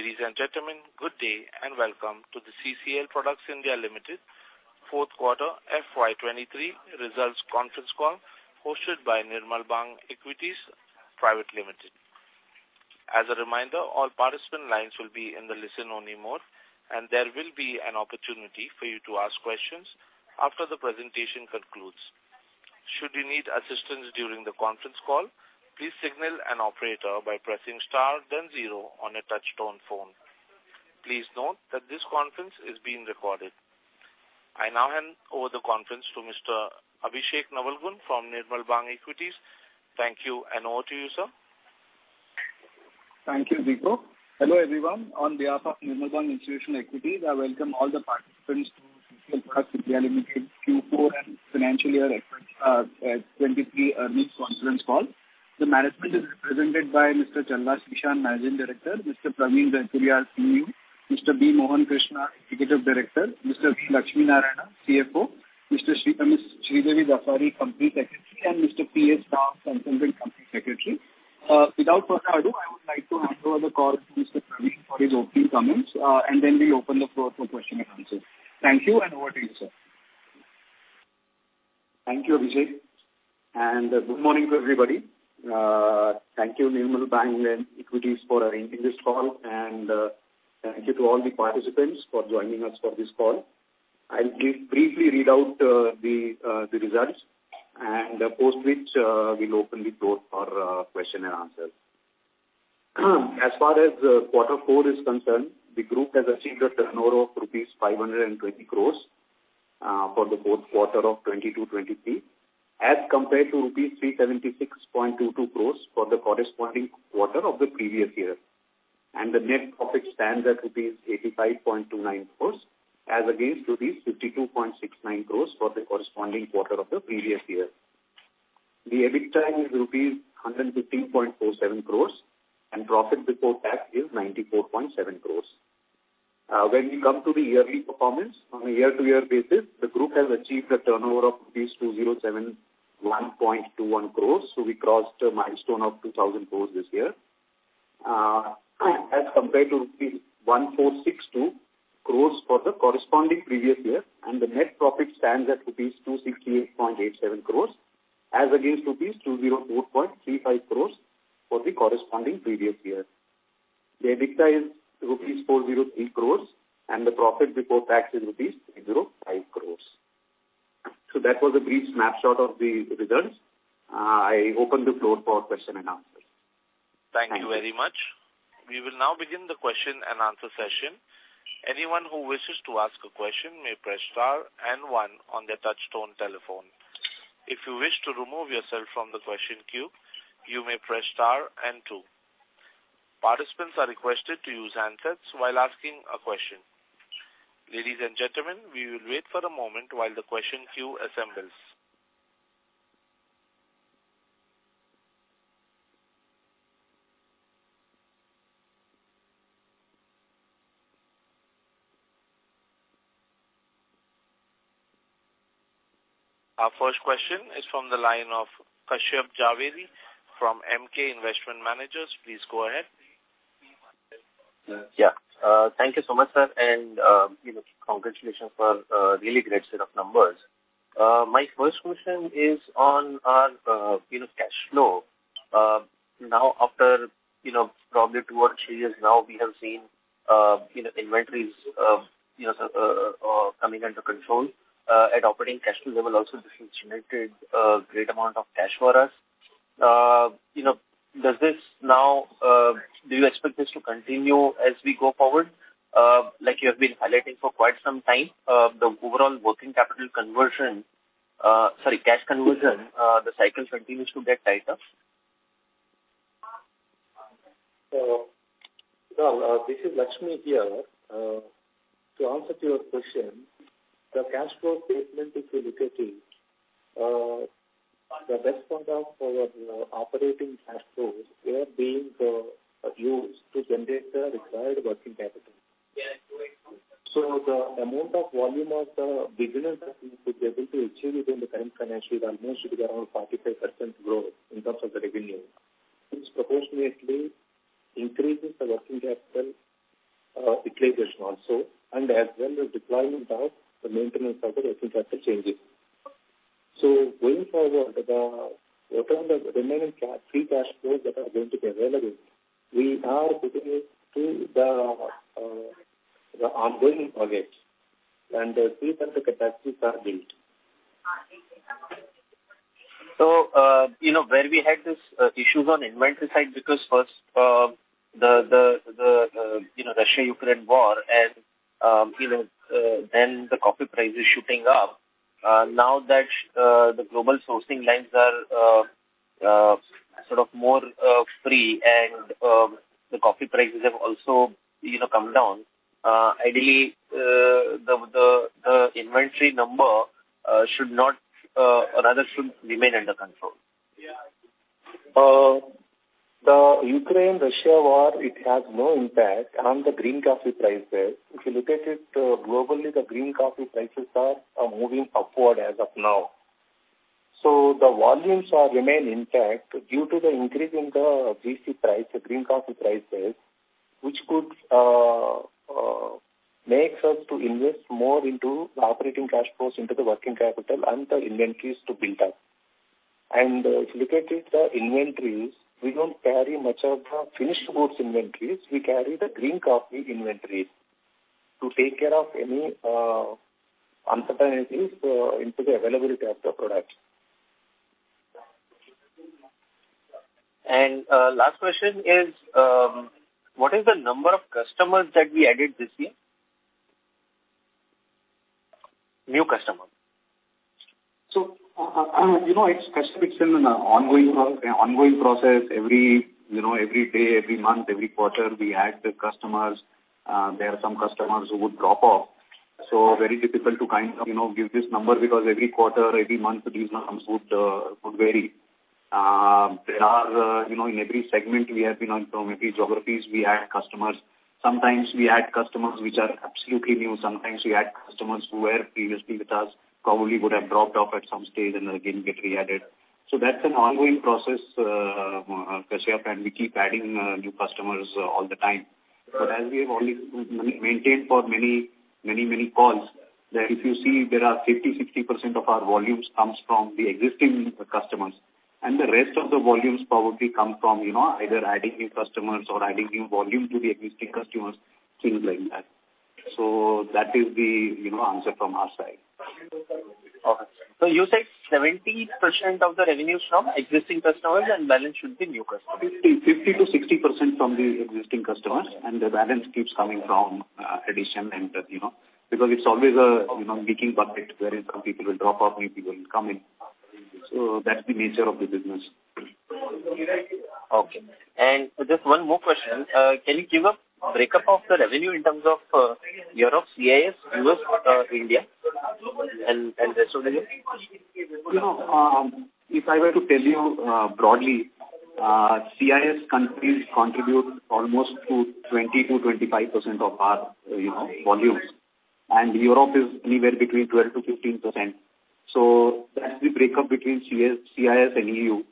Ladies and gentlemen, good day, and welcome to the CCL Products (India) Limited fourth quarter FY 2023 results conference call hosted by Nirmal Bang Equities Private Limited. As a reminder, all participant lines will be in the listen-only mode, and there will be an opportunity for you to ask questions after the presentation concludes. Should you need assistance during the conference call, please signal an operator by pressing Star then Zero on a touch-tone phone. Please note that this conference is being recorded. I now hand over the conference to Mr. Abhishek Navalgund from Nirmal Bang Equities. Thank you, and over to you, sir. Thank you. Hello, everyone. On behalf of Nirmal Bang Institutional Equities, I welcome all the participants to CCL Products (India) Limited Q4 and Financial Year 2023 Earnings Conference Call. The management is represented by Mr. Challa Srishant, Managing Director, Mr. Praveen Jaipuriar, CEO, Mr. B. Mohan Krishna, Executive Director, Mr. V. Lakshmi Narayana, CFO, Ms. Sridevi Dasari, Company Secretary, and Mr. P.S. Rao, Consultant Company Secretary. Without further ado, I would like to hand over the call to Mr. Praveen for his opening comments, and then we open the floor for question and answer. Thank you, and over to you, sir. Thank you, Abhishek, and good morning to everybody. Thank you Nirmal Bang Equities for arranging this call, and thank you to all the participants for joining us for this call. I'll briefly read out the results and post which, we'll open the floor for question and answer. As far as quarter four is concerned, the group has achieved a turnover of rupees 520 crore for the fourth quarter of 2022/2023 as compared to rupees 376.22 crore for the corresponding quarter of the previous year. The net profit stands at rupees 85.29 crores as against INR rupees 52.69 crore for the corresponding quarter of the previous year. The EBITDA is INR rupees 115.47 crore, and profit before tax is rupees 94.7 crore. When we come to the yearly performance on a year-to-year basis, the group has achieved a turnover of 2,071.21 crore, so we crossed a milestone of 2,000 crore this year, as compared to rupees 1,462 crore for the corresponding previous year. The net profit stands at rupees 268.87 crore as against rupees 204.35 crore for the corresponding previous year. The EBITDA is rupees 403 crores, and the profit before tax is rupees 305 crore. That was a brief snapshot of the results. I open the floor for question and answers. Thank you very much. We will now begin the question and answer session. Anyone who wishes to ask a question may press Star and One on their touch-tone telephone. If you wish to remove yourself from the question queue, you may press Star and Two. Participants are requested to use handsets while asking a question. Ladies and gentlemen, we will wait for a moment while the question queue assembles. Our first question is from the line of Kashyap Javeri from Emkay Investment Managers. Please go ahead. Yeah. Thank you so much, sir, and, you know, congratulations for really great set of numbers. My first question is on, you know, cash flow. Now after, you know, probably two or three years now, we have seen, you know, inventories, you know, coming under control, at operating cash flow level also this has generated a great amount of cash for us. You know, does this now, do you expect this to continue as we go forward? Like you have been highlighting for quite some time, the overall working capital conversion, sorry, cash conversion, the cycle continues to get tighter. This is Lakshmi here. To answer to your question, the cash flow statement, if you look at it, the best part of our operating cash flows were being used to generate the required working capital. The amount of volume of the business that we were able to achieve within the current financial year almost around 45% growth in terms of the revenue, which proportionately increases the working capital utilization also, and as well as deployment of the maintenance of the working capital changes. Going forward, what are the remaining free cash flows that are going to be available, we are putting it to the ongoing projects and the pre-contract capacities are built. You know, where we had this issues on inventory side because first, the, you know, Russia-Ukraine war and, you know, then the coffee prices shooting up. Now that the global sourcing lines are sort of more free and the coffee prices have also, you know, come down, ideally, the inventory number should not or rather should remain under control. The Ukraine-Russia war, it has no impact on the green coffee prices. If you look at it, globally, the green coffee prices are moving upward as of now. The volumes are remain intact due to the increase in the GC price, the green coffee prices, which could makes us to invest more into the operating cash flows into the working capital and the inventories to build up. If you look at the inventories, we don't carry much of the finished goods inventories. We carry the green coffee inventories to take care of any uncertainties into the availability of the product. Last question is, what is the number of customers that we added this year? New customers. you know, it's customer expansion is an ongoing process. Every, you know, every day, every month, every quarter, we add the customers. There are some customers who would drop off. Very difficult to kind of, you know, give this number because every quarter, every month these numbers would vary. There are, you know, in every segment we have been on, so maybe geographies we add customers. Sometimes we add customers which are absolutely new. Sometimes we add customers who were previously with us, probably would have dropped off at some stage and again get re-added. That's an ongoing process, Kashyap, and we keep adding new customers all the time. As we have only maintained for many calls, that if you see there are 50%, 60% of our volumes comes from the existing customers, and the rest of the volumes probably come from, you know, either adding new customers or adding new volume to the existing customers, things like that. That is the, you know, answer from our side. Okay. You said 70% of the revenues from existing customers and balance should be new customers. 50%-60% from the existing customers and the balance keeps coming from addition. You know, because it's always a, you know, leaking bucket wherein some people will drop off, new people will come in. That's the nature of the business. Okay. Just one more question. Can you give a break up of the revenue in terms of Europe, CIS, U.S., India and rest of the world? You know, if I were to tell you, broadly, CIS countries contribute almost to 20%-25% of our, you know, volumes. Europe is anywhere between 12%-15%. That's the break up between CIS and EU.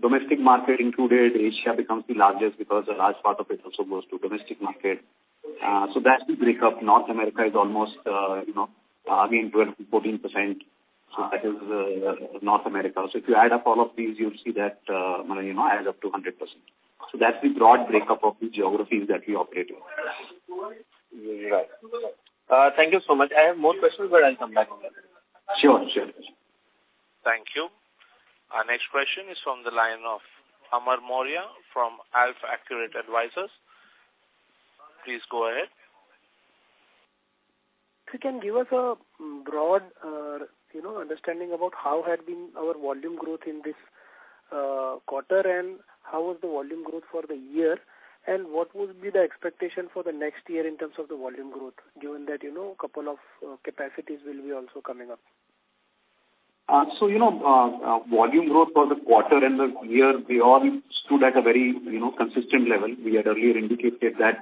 Domestic market included, Asia becomes the largest because a large part of it also goes to domestic market. That's the break up. North America is almost, you know, I mean, 12%-14%. That is North America. If you add up all of these, you'll see that, you know, adds up to 100%. That's the broad break up of the geographies that we operate in. Right. Thank you so much. I have more questions, but I'll come back on that. Sure. Sure. Thank you. Our next question is from the line of Amar Maurya from AlfAccurate Advisors. Please go ahead. If you can give us a broad, you know, understanding about how had been our volume growth in this quarter and how was the volume growth for the year, and what would be the expectation for the next year in terms of the volume growth, given that, you know, a couple of capacities will be also coming up? You know, volume growth for the quarter and the year beyond stood at a very, you know, consistent level. We had earlier indicated that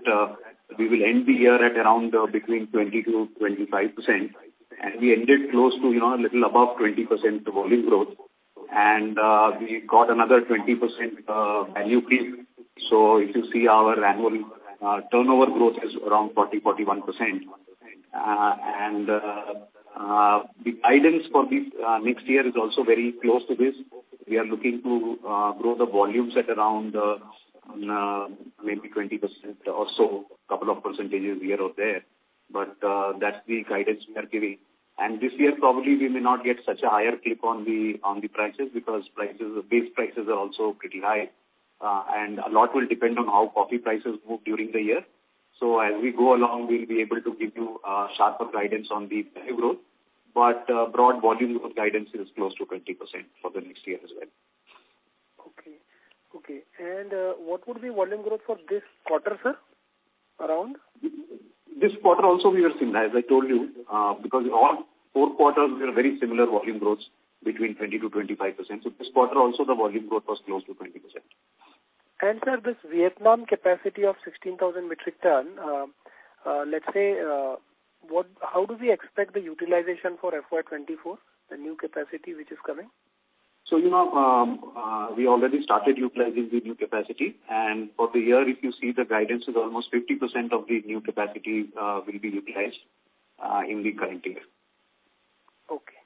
we will end the year at around between 20%-25%. We ended close to, you know, a little above 20% volume growth. We got another 20% value clip. If you see our annual turnover growth is around 40%, 41%. The guidance for the next year is also very close to this. We are looking to grow the volumes at around maybe 20% or so, a couple of percentages here or there. That's the guidance we are giving. This year probably we may not get such a higher clip on the prices because prices, base prices are also pretty high. A lot will depend on how coffee prices move during the year. As we go along, we'll be able to give you sharper guidance on the value growth. Broad volume of guidance is close to 20% for the next year as well. Okay. Okay. What would be volume growth for this quarter, sir? Around. This quarter also we are similar. As I told you, because all four quarters were very similar volume growths between 20%-25%. This quarter also the volume growth was close to 20%. Sir, this Vietnam capacity of 16,000 metric ton, how do we expect the utilization for FY 2024, the new capacity which is coming? You know, we already started utilizing the new capacity. For the year, if you see the guidance is almost 50% of the new capacity, will be utilized in the current year. Okay.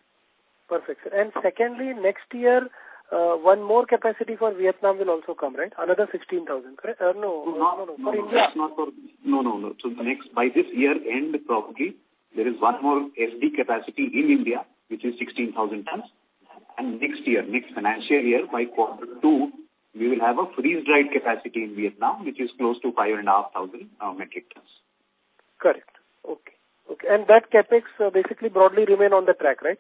Perfect, sir. Secondly, next year, one more capacity for Vietnam will also come, right? Another 16,000, correct? No, no. No, no. By this year end probably, there is one more SD capacity in India, which is 16,000 tons. Next year, next financial year, by quarter two, we will have a freeze-dried capacity in Vietnam, which is close to 5,500 metric tons. Correct. Okay. Okay. That CapEx basically broadly remain on the track, right?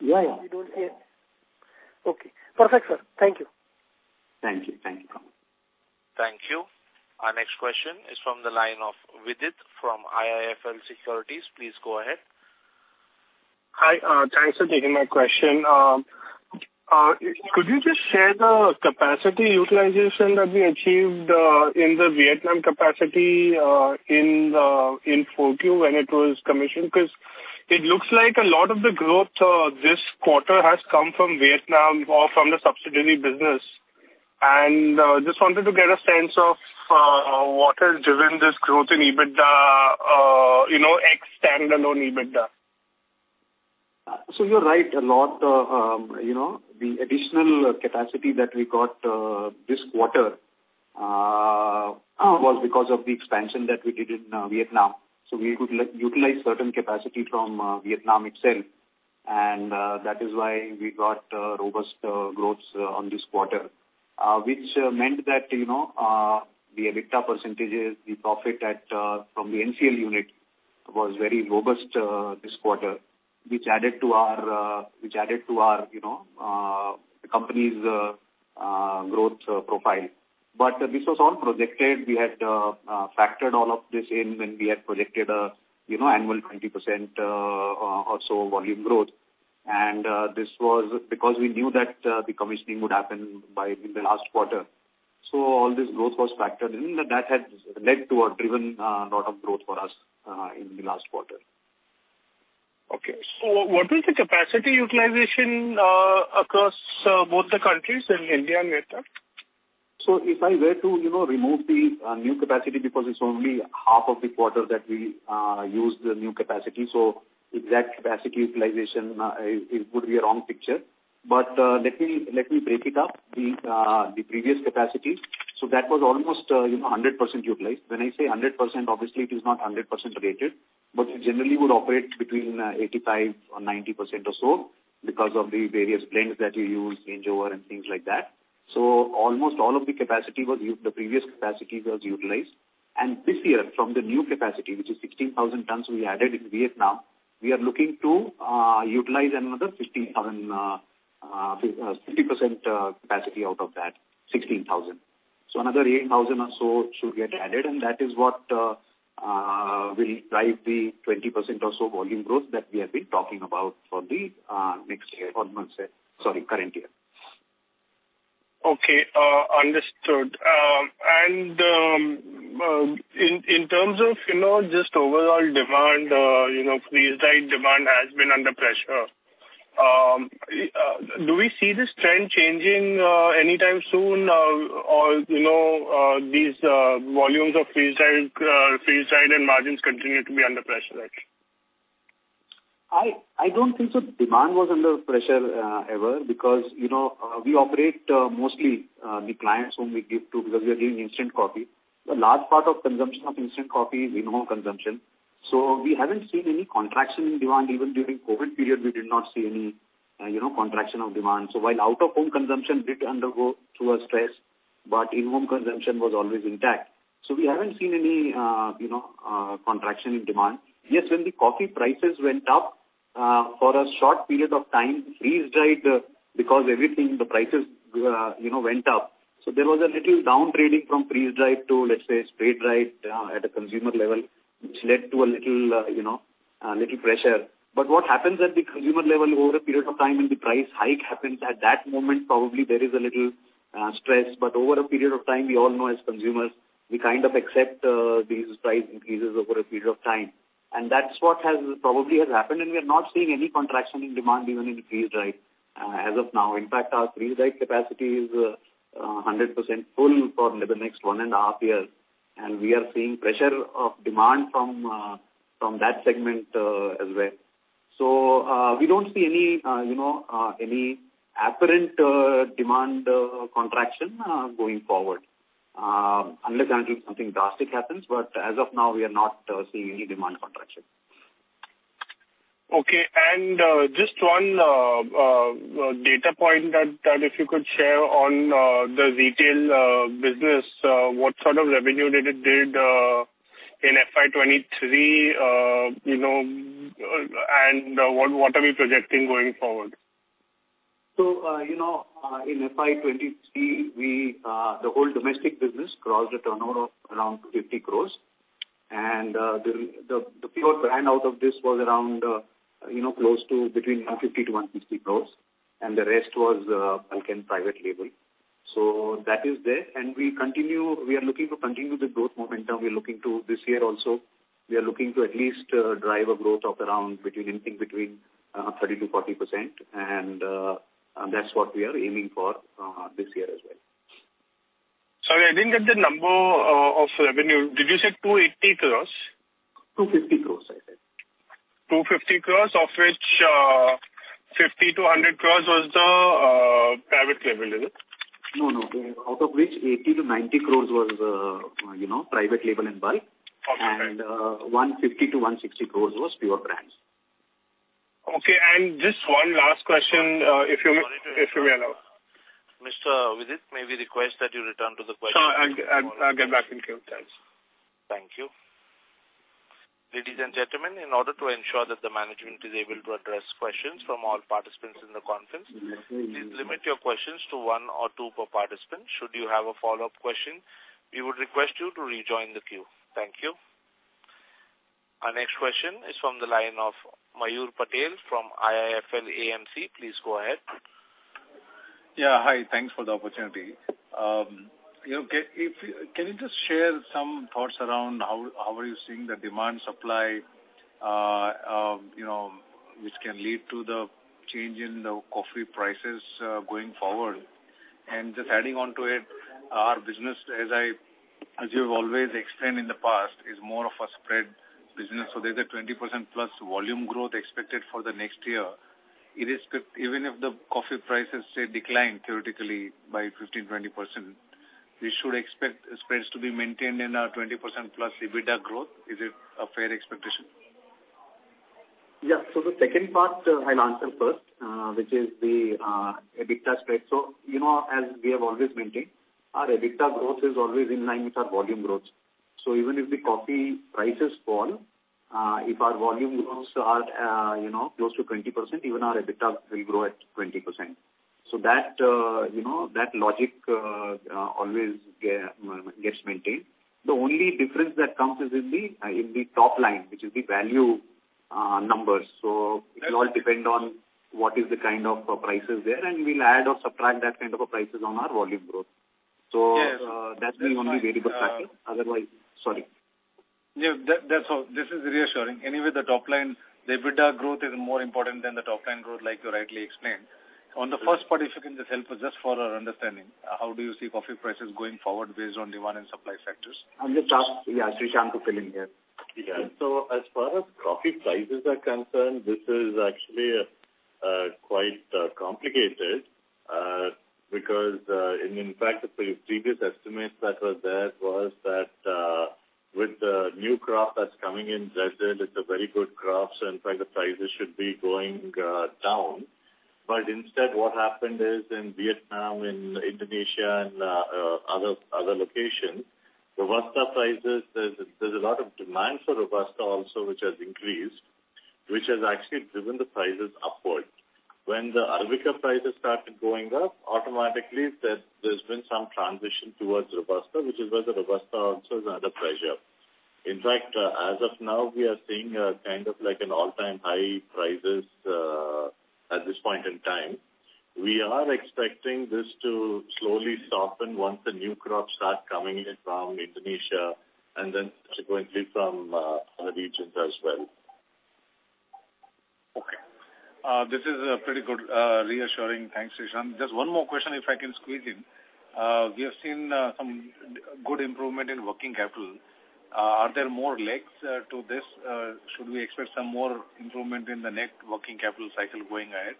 Yeah, yeah. We don't see it. Okay. Perfect, sir. Thank you. Thank you. Thank you. Thank you. Our next question is from the line of Vidit from IIFL Securities. Please go ahead. Hi. Thanks for taking my question. Could you just share the capacity utilization that we achieved in the Vietnam capacity in 4Q when it was commissioned? 'Cause it looks like a lot of the growth this quarter has come from Vietnam or from the subsidiary business. Just wanted to get a sense of what has driven this growth in EBITDA, you know, ex Standalone EBITDA. You're right. A lot, you know, the additional capacity that we got this quarter was because of the expansion that we did in Vietnam. We could utilize certain capacity from Vietnam itself. That is why we got robust growth on this quarter. Which meant that, you know, the EBITDA percentages, the profit at from the NCL unit was very robust this quarter, which added to our, you know, company's growth profile. This was all projected. We had factored all of this in when we had projected a, you know, annual 20% or so volume growth. This was because we knew that the commissioning would happen by the last quarter. All this growth was factored in. That had led to or driven, a lot of growth for us, in the last quarter. Okay. What is the capacity utilization across both the countries in India and Vietnam? If I were to, you know, remove the new capacity because it's only half of the quarter that we used the new capacity, so exact capacity utilization, it would be a wrong picture. Let me, let me break it up. The previous capacity, so that was almost, you know, 100% utilized. When I say 100%, obviously it is not a 100% rated, but we generally would operate between 85% or 90% or so because of the various blends that we use, range over and things like that. Almost all of the capacity was used, the previous capacity was utilized. This year, from the new capacity, which is 16,000 tons we added in Vietnam, we are looking to utilize 50% capacity out of that 16,000. Another 8,000 or so should get added, and that is what will drive the 20% or so volume growth that we have been talking about for the next year, or I must say, sorry, current year. . And, in terms of, you know, just overall demand, you know, freeze-dried demand has been under pressure. Do we see this trend changing anytime soon or, you know, these volumes of freeze-dried, freeze-dried and margins continue to be under pressure actually? I don't think the demand was under pressure ever because, you know, we operate mostly the clients whom we give to because we are doing instant coffee. The large part of consumption of instant coffee is in-home consumption. We haven't seen any contraction in demand. Even during COVID period, we did not see any, you know, contraction of demand. While out-of-home consumption did undergo through a stress, but in-home consumption was always intact. We haven't seen any, you know, contraction in demand. Yes, when the coffee prices went up for a short period of time, freeze-dried, because everything, the prices, you know, went up. There was a little down trading from freeze-dried to, let's say, spray dried, at a consumer level, which led to a little, you know, a little pressure. What happens at the consumer level over a period of time when the price hike happens, at that moment probably there is a little stress. Over a period of time, we all know as consumers, we kind of accept these price increases over a period of time. That's what has probably happened. We are not seeing any contraction in demand even in the freeze-dried as of now. In fact, our freeze-dried capacity is 100% full for the next one and a half years, and we are seeing pressure of demand from that segment as well. We don't see any, you know, any apparent demand contraction going forward. Unless and until something drastic happens. As of now, we are not seeing any demand contraction. Okay. Just one data point that if you could share on the retail business, what sort of revenue did it in FY 2023, you know, and what are we projecting going forward? In FY 2023, we, the whole domestic business crossed a turnover of around 50 crore. The pure brand out of this was around close to between 150 crore-160 crore, and the rest was bulk and private label. That is there. We are looking to continue the growth momentum we're looking to this year also. We are looking to at least drive a growth of around between anything between 30%-40%. That's what we are aiming for this year as well. Sorry, I didn't get the number of revenue. Did you say 280 crore? 250 crore, I said. 250 crore, of which, 50 crore-100 crore was the private label, is it? No, no. Out of which 80 crore-90 crore was, you know, private label and bulk. Okay. 150- 160 crores was pure brands. Okay. Just one last question, if you may allow. Mr. Vidit, may we request that you return to the question- I'll get back in queue. Thanks. Thank you. Ladies and gentlemen, in order to ensure that the management is able to address questions from all participants in the conference. Please limit your questions to one or two per participant. Should you have a follow-up question, we would request you to rejoin the queue. Thank you. Our next question is from the line of Mayur Patel from IIFL AMC. Please go ahead. Yeah. Hi, thanks for the opportunity. you know, can you just share some thoughts around how are you seeing the demand supply, you know, which can lead to the change in the coffee prices going forward? Just adding on to it, our business, as you've always explained in the past, is more of a spread business. There's a 20% plus volume growth expected for the next year. Even if the coffee prices, say, decline theoretically by 15%-20%, we should expect spreads to be maintained in our 20% plus EBITDA growth. Is it a fair expectation? The second part, I'll answer first, which is the EBITDA spread. You know, as we have always maintained, our EBITDA growth is always in line with our volume growth. Even if the coffee prices fall, if our volume grows are, you know, close to 20%, even our EBITDA will grow at 20%. That, you know, that logic always gets maintained. The only difference that comes is in the in the top line, which is the value numbers. It will all depend on what is the kind of prices there, and we'll add or subtract that kind of prices on our volume growth. Yes. That's the only variable factor. Otherwise... Sorry. Yeah. That's all. This is reassuring. The top line, the EBITDA growth is more important than the top line growth, like you rightly explained. On the first part, if you can just help us just for our understanding, how do you see coffee prices going forward based on demand and supply factors? I'll just ask, yeah, Srishant to fill in here. Yeah. As far as coffee prices are concerned, this is actually quite complicated because in fact, the pre-previous estimates that were there was that with the new crop that's coming in Brazil, it's a very good crop, in fact the prices should be going down. Instead what happened is in Vietnam, in Indonesia and other locations, Robusta prices, there's a lot of demand for Robusta also which has increased, which has actually driven the prices upward. When the Arabica prices started going up, automatically there's been some transition towards Robusta, which is why the Robusta also is under pressure. In fact, as of now, we are seeing a kind of like an all-time high prices at this point in time. We are expecting this to slowly soften once the new crops start coming in from Indonesia and then subsequently from other regions as well. Okay. This is a pretty good, reassuring. Thanks, Srishant. Just one more question if I can squeeze in. We have seen some good improvement in working capital. Are there more legs to this? Should we expect some more improvement in the next working capital cycle going ahead?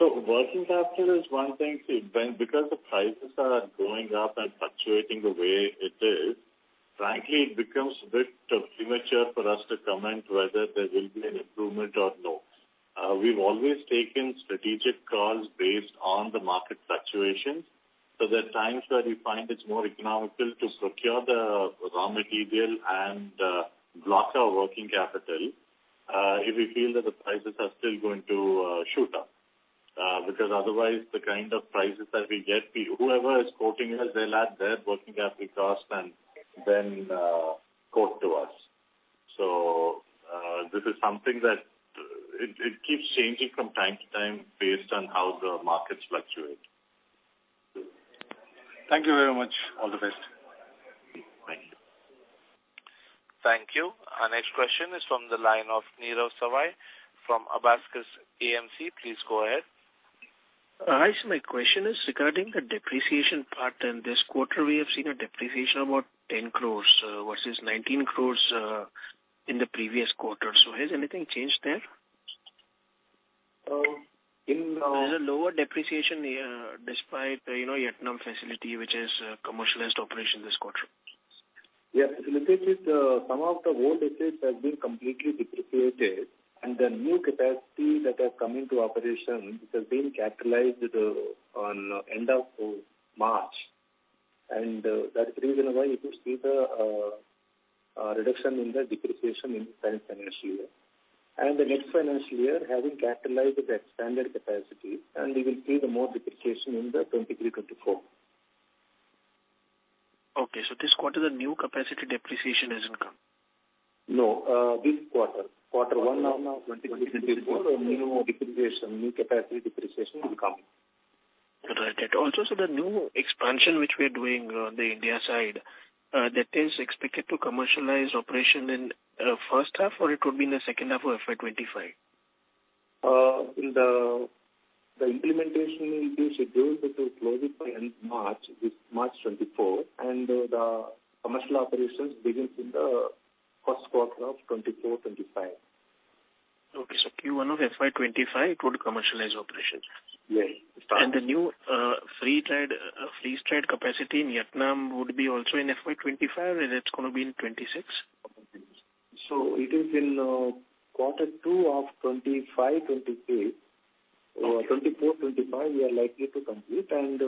Working capital is one thing. Because the prices are going up and fluctuating the way it is, frankly, it becomes a bit premature for us to comment whether there will be an improvement or not. We've always taken strategic calls based on the market fluctuations. There are times where we find it's more economical to procure the raw material and block our working capital if we feel that the prices are still going to shoot up. Because otherwise the kind of prices that we get, whoever is quoting us, they'll add their working capital cost and then quote to us. This is something that it keeps changing from time to time based on how the markets fluctuate. Thank you very much. All the best. Thank you. Thank you. Our next question is from the line of Nirav Savai from Abakkus AMC. Please go ahead. Hi. My question is regarding the depreciation part. In this quarter, we have seen a depreciation of about 10 crore, versus 19 crore, in the previous quarter. Has anything changed there? So in, uh- There's a lower depreciation, despite, you know, Vietnam facility, which is commercialized operation this quarter. This is some of the old assets have been completely depreciated, the new capacity that are coming to operation, it has been capitalized on end of March. That's the reason why you could see the reduction in the depreciation in the current financial year. The next financial year, having capitalized that standard capacity, we will see the more depreciation in the 2023-2024. Okay. This quarter, the new capacity depreciation hasn't come. This quarter. Quarter one of 2023-2024, new depreciation, new capacity depreciation will come. Right. The new expansion which we are doing on the India side, that is expected to commercialize operation in first half or it would be in the second half of FY 2025? The implementation will be scheduled to close it by end March, this March 2024, and the commercial operations begins in the first quarter of 2024-2025. Okay. Q1 of FY 2025 it will commercialize operations. Yes. The new free trade capacity in Vietnam would be also in FY 2025 or it's gonna be in 2026? It is in quarter two of 2025, 2023. 2024, 2025 we are likely to complete and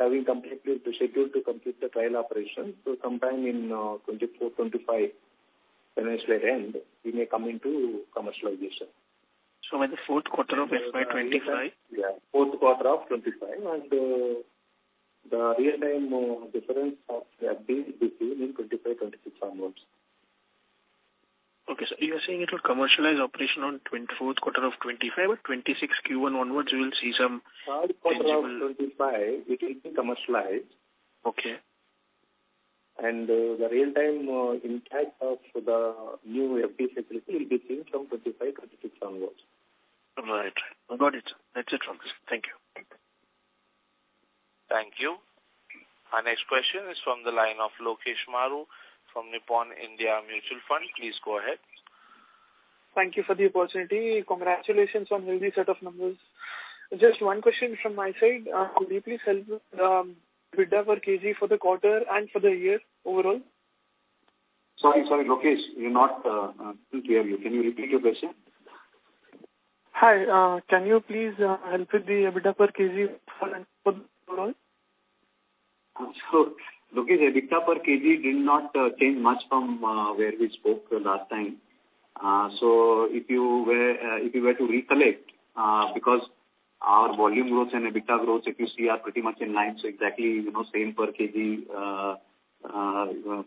having completed the schedule to complete the trial operation. Sometime in 2024, 2025 Financial aid end, we may come into commercialization. By the fourth quarter of FY 2025? Yeah, fourth quarter of 2025. The real-time difference of FB will be seen in 2025, 2026 onwards. Okay, sir. You are saying it will commercialize operation on fourth quarter of 2025, but 2026 Q1 onwards, we will see. Third quarter of 2025 it will be commercialized. Okay. The real time, impact of the new FB facility will be seen from 2025, 2026 onwards. All right. Got it. That's it. Thank you. Thank you. Our next question is from the line of Lokesh Maru from Nippon India Mutual Fund. Please go ahead. Thank you for the opportunity. Congratulations on healthy set of numbers. Just one question from my side. Could you please help EBITDA per kg for the quarter and for the year overall? Sorry, Lokesh, couldn't hear you. Can you repeat your question? Hi. Can you please help with the EBITDA per kg for and overall? Lokesh, EBITDA per kg did not change much from where we spoke last time. If you were to recollect, because our volume growth and EBITDA growth if you see are pretty much in line, exactly, you know, same per kg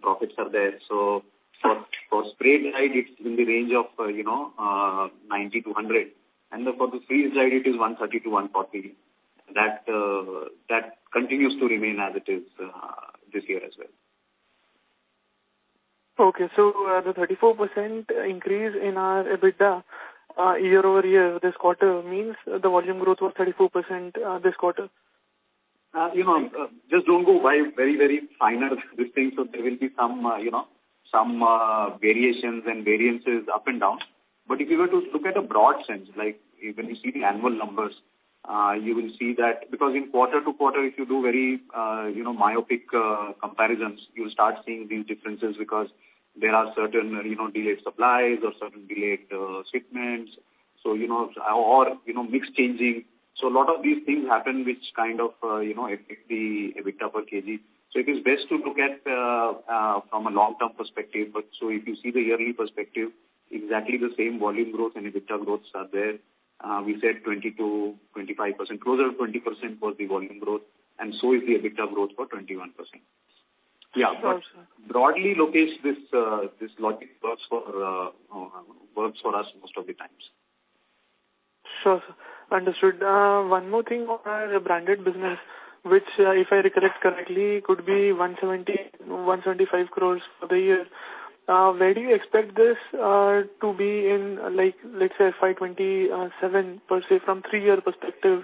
profits are there. For spray dried it's in the range of, you know, 90-100. For the freeze-dried it is 130-140. That continues to remain as it is this year as well. The 34% increase in our EBITDA, year-over-year this quarter means the volume growth was 34%, this quarter? You know, just don't go by very, very finer these things. There will be some, you know, some variations and variances up and down. If you were to look at a broad sense, like when you see the annual numbers, you will see that. Because in quarter-to-quarter if you do very, you know, myopic comparisons, you'll start seeing these differences because there are certain, you know, delayed supplies or certain delayed shipments. You know, or, you know, mix changing. A lot of these things happen which kind of, you know, affect the EBITDA per kg. It is best to look at from a long-term perspective. If you see the yearly perspective, exactly the same volume growth and EBITDA growths are there. We said 20%-25%. Closer to 20% for the volume growth, and so is the EBITDA growth for 21%. Yeah. Sure, sir. Broadly, Lokesh, this logic works for us most of the times. Sure, sir. Understood. One more thing on our branded business, which, if I recollect correctly, could be 170-175 crore for the year. Where do you expect this to be in like, let's say FY 227 per se from three-year perspective?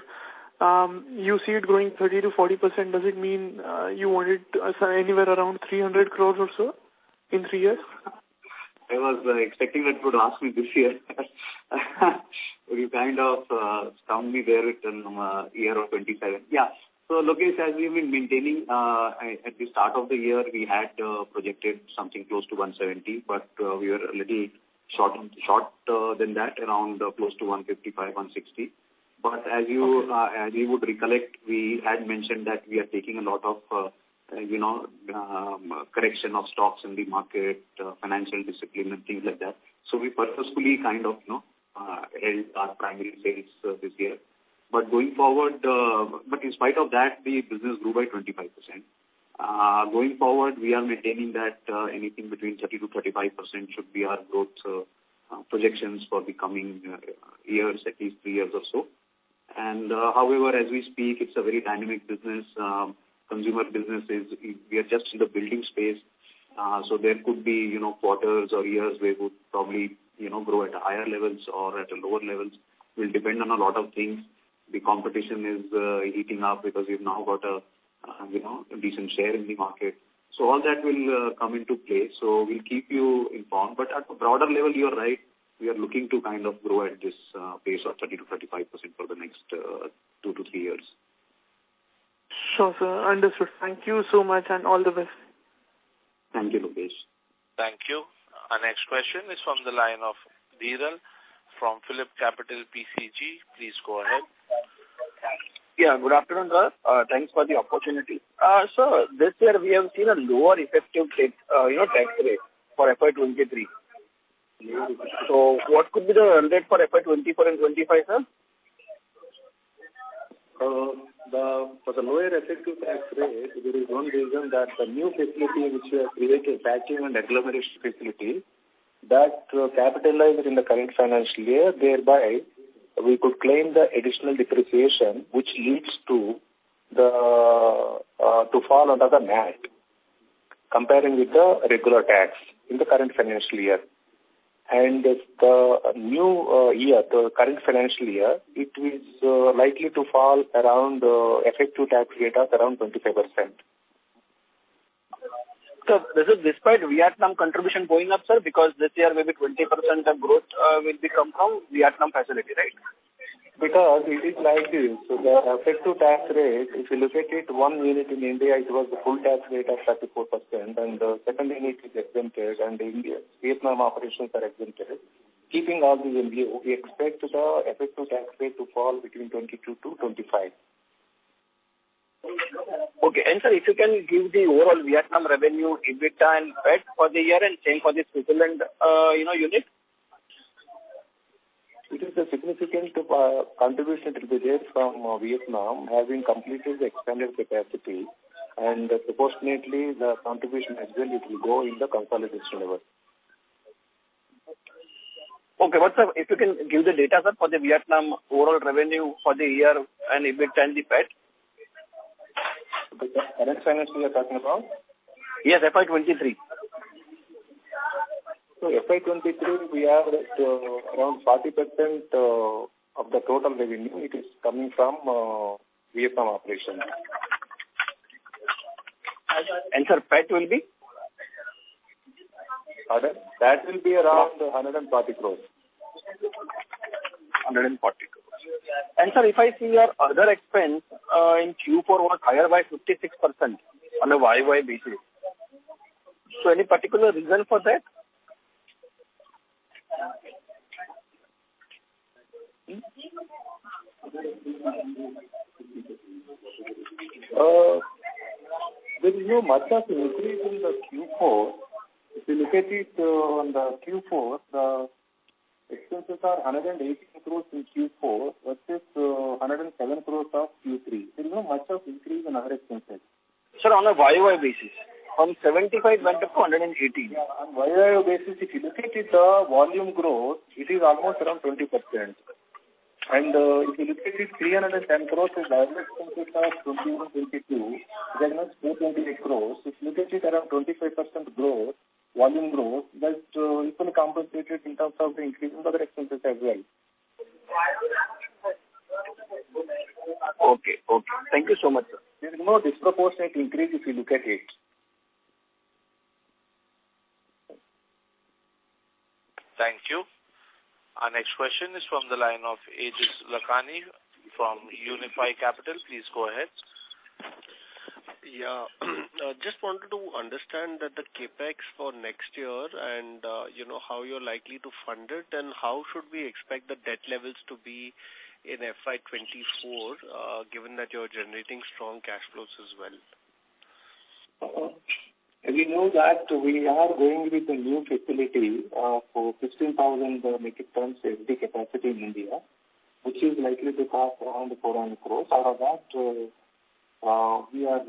You see it growing 30%-40%. Does it mean you want it so anywhere around 300 crores or so in three years? I was expecting that you would ask me this year. You kind of stumped me there with a year of 2027. Yeah. Lokesh, as we've been maintaining, at the start of the year, we had projected something close to 170, but we were a little short than that, around close to 155-160. As you would recollect, we had mentioned that we are taking a lot of, you know, correction of stocks in the market, financial discipline and things like that. We purposefully kind of, you know, held our primary sales this year. Going forward, but in spite of that, the business grew by 25%. Going forward, we are maintaining that anything between 30%-35% should be our growth projections for the coming years, at least three years or so. However, as we speak, it's a very dynamic business. Consumer business we are just in the building space, so there could be, you know, quarters or years where it would probably, you know, grow at higher levels or at lower levels will depend on a lot of things. The competition is heating up because we've now got a, you know, a decent share in the market. All that will come into play. We'll keep you informed. At a broader level, you are right. We are looking to kind of grow at this pace of 30%-35% for the next two to three years. Sure, sir. Understood. Thank you so much. All the best. Thank you, Lokesh. Thank you. Our next question is from the line of Dhiral from Phillip Capital PCG. Please go ahead. Yeah, good afternoon, sir. Thanks for the opportunity. This year we have seen a lower effective rate, you know, tax rate for FY 2023. What could be the run rate for FY 2024 and 2025, sir? For the lower effective tax rate, there is one reason that the new facility which we have created, packaging and agglomeration facility, that capitalized in the current financial year, thereby we could claim the additional depreciation which leads to the fall under the net comparing with the regular tax in the current financial year. The new year, the current financial year, it is likely to fall around effective tax rate of around 25%. This is despite Vietnam contribution going up, sir, because this year maybe 20% of growth will be coming from Vietnam facility, right? It is likely the effective tax rate, if you look at it, one unit in India, it was the full tax rate of 34%, and the second unit is exempted and India, Vietnam operations are exempted. Keeping all these in view, we expect the effective tax rate to fall between 22%-25%. Okay. Sir, if you can give the overall Vietnam revenue, EBITDA and PAT for the year and change for this fiscal and, you know, unit? It is a significant contribution to the sales from Vietnam, having completed the expanded capacity. Proportionately, the contribution as well, it will go in the consolidation level. Okay. Sir, if you can give the data, sir, for the Vietnam overall revenue for the year and EBITDA and the PAT? The current financial you're talking about? Yes, FY 2023. FY 2023, we have around 40% of the total revenue. It is coming from Vietnam operation. Sir, PAT will be? Pardon? PAT will be around 140 crore. 140 crore. Sir, if I see your other expense, in Q4 was higher by 56% on a YOY basis. Any particular reason for that? There's no much of increase in the Q4. If you look at it, on the Q4, the expenses are INR 118 crore in Q4 versus INR 107 crore of Q3. There's no much of increase in our expenses. Sir, on a YOY basis, from 75 went up to 118. Yeah, on YOY basis, if you look at it, the volume growth, it is almost around 20%. If you look at it, INR 310 crore is our expenses for 2021-2022. Now it's INR 428 crore. If you look at it, around 25% growth, volume growth, that, it will compensate it in terms of the increase in other expenses as well. Okay. Okay. Thank you so much, sir. There's no disproportionate increase if you look at it. Thank you. Our next question is from the line of Aejas Lakhani from UNIFI Capital. Please go ahead. Yeah. Just wanted to understand that the CapEx for next year and, you know, how you're likely to fund it and how should we expect the debt levels to be in FY 2024, given that you're generating strong cash flows as well. We know that we are going with a new facility for 15,000 metric tons capacity in India, which is likely to cost around 400 crore. Out of that, we are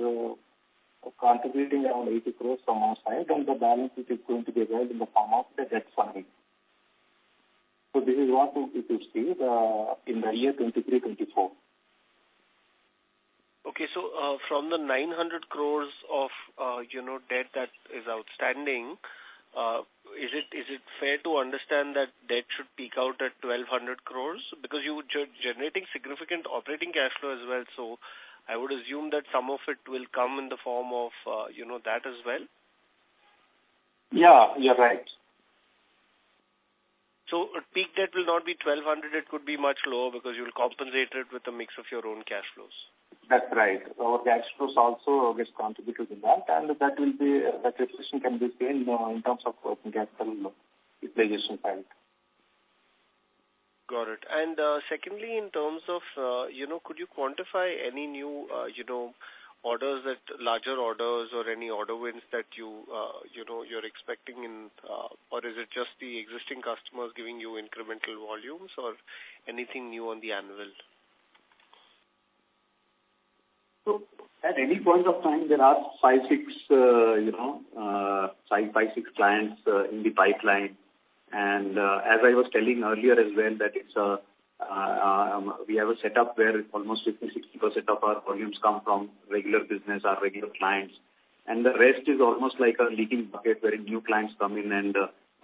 contributing around 80 crore from our side, and the balance which is going to be raised in the form of the debt funding. This is what you could see the, in the year 2023, 2024. Okay. From the 900 crore of, you know, debt that is outstanding, is it fair to understand that debt should peak out at 1,200 crore? Because you're generating significant operating cash flow as well. I would assume that some of it will come in the form of, you know, that as well. Yeah. You're right. A peak debt will not be 1,200. It could be much lower because you'll compensate it with a mix of your own cash flows. That's right. Our cash flows also gets contributed in that, and that position can be seen in terms of working capital utilization part. Got it. Secondly, in terms of, you know, could you quantify any new, you know, orders that larger orders or any order wins that you know, you're expecting in, or is it just the existing customers giving you incremental volumes or anything new on the anvil? At any point of time, there are five, six clients in the pipeline. As I was telling earlier as well that it's a, we have a setup where almost 50%-60% of our volumes come from regular business, our regular clients. The rest is almost like a leaking bucket where new clients come in and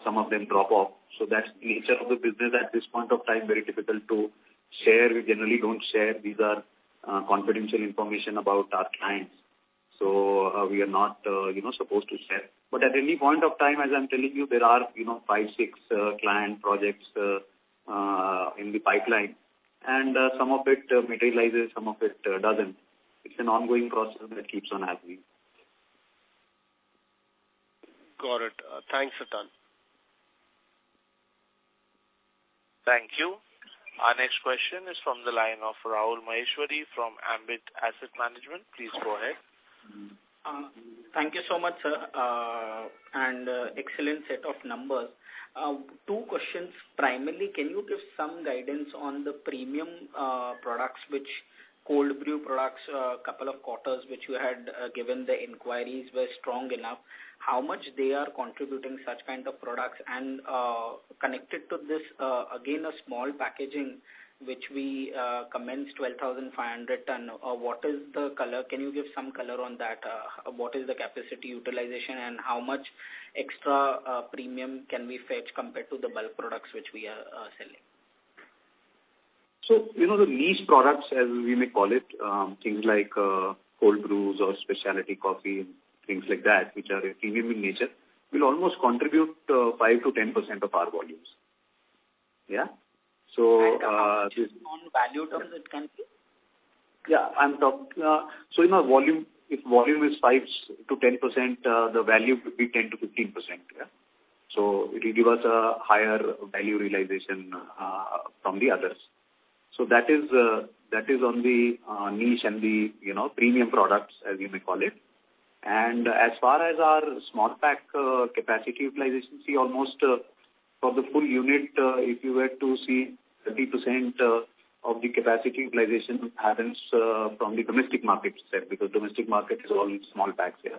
some of them drop off. That's the nature of the business at this point of time, very difficult to share. We generally don't share. These are confidential information about our clients. We are not supposed to share. At any point of time, as I'm telling you, there are five, six client projects in the pipeline. Some of it materializes, some of it doesn't. It's an ongoing process that keeps on happening. Got it. Thanks. Thank you. Our next question is from the line of Rahul Maheshwari from Ambit Asset Management. Please go ahead. Thank you so much, sir, excellent set of numbers. Two questions. Primarily, can you give some guidance on the premium products which cold brew products, couple of quarters which you had, given the inquiries were strong enough. How much they are contributing such kind of products? Connected to this, again, a small packaging which we commenced 12,500 tons. What is the color? Can you give some color on that? What is the capacity utilization and how much extra premium can we fetch compared to the bulk products which we are selling? You know, the niche products, as we may call it, things like cold brews or specialty coffee and things like that, which are premium in nature, will almost contribute 5% to 10% of our volumes. Yeah. On value terms it can be? Yeah. You know, volume, if volume is 5%-10%, the value could be 10%-15%. It will give us a higher value realization from the others. That is, that is on the niche and the, you know, premium products, as you may call it. As far as our small pack, capacity utilization, see almost, for the full unit, if you were to see 30% of the capacity utilization happens from the domestic market side because domestic market is only small packs here.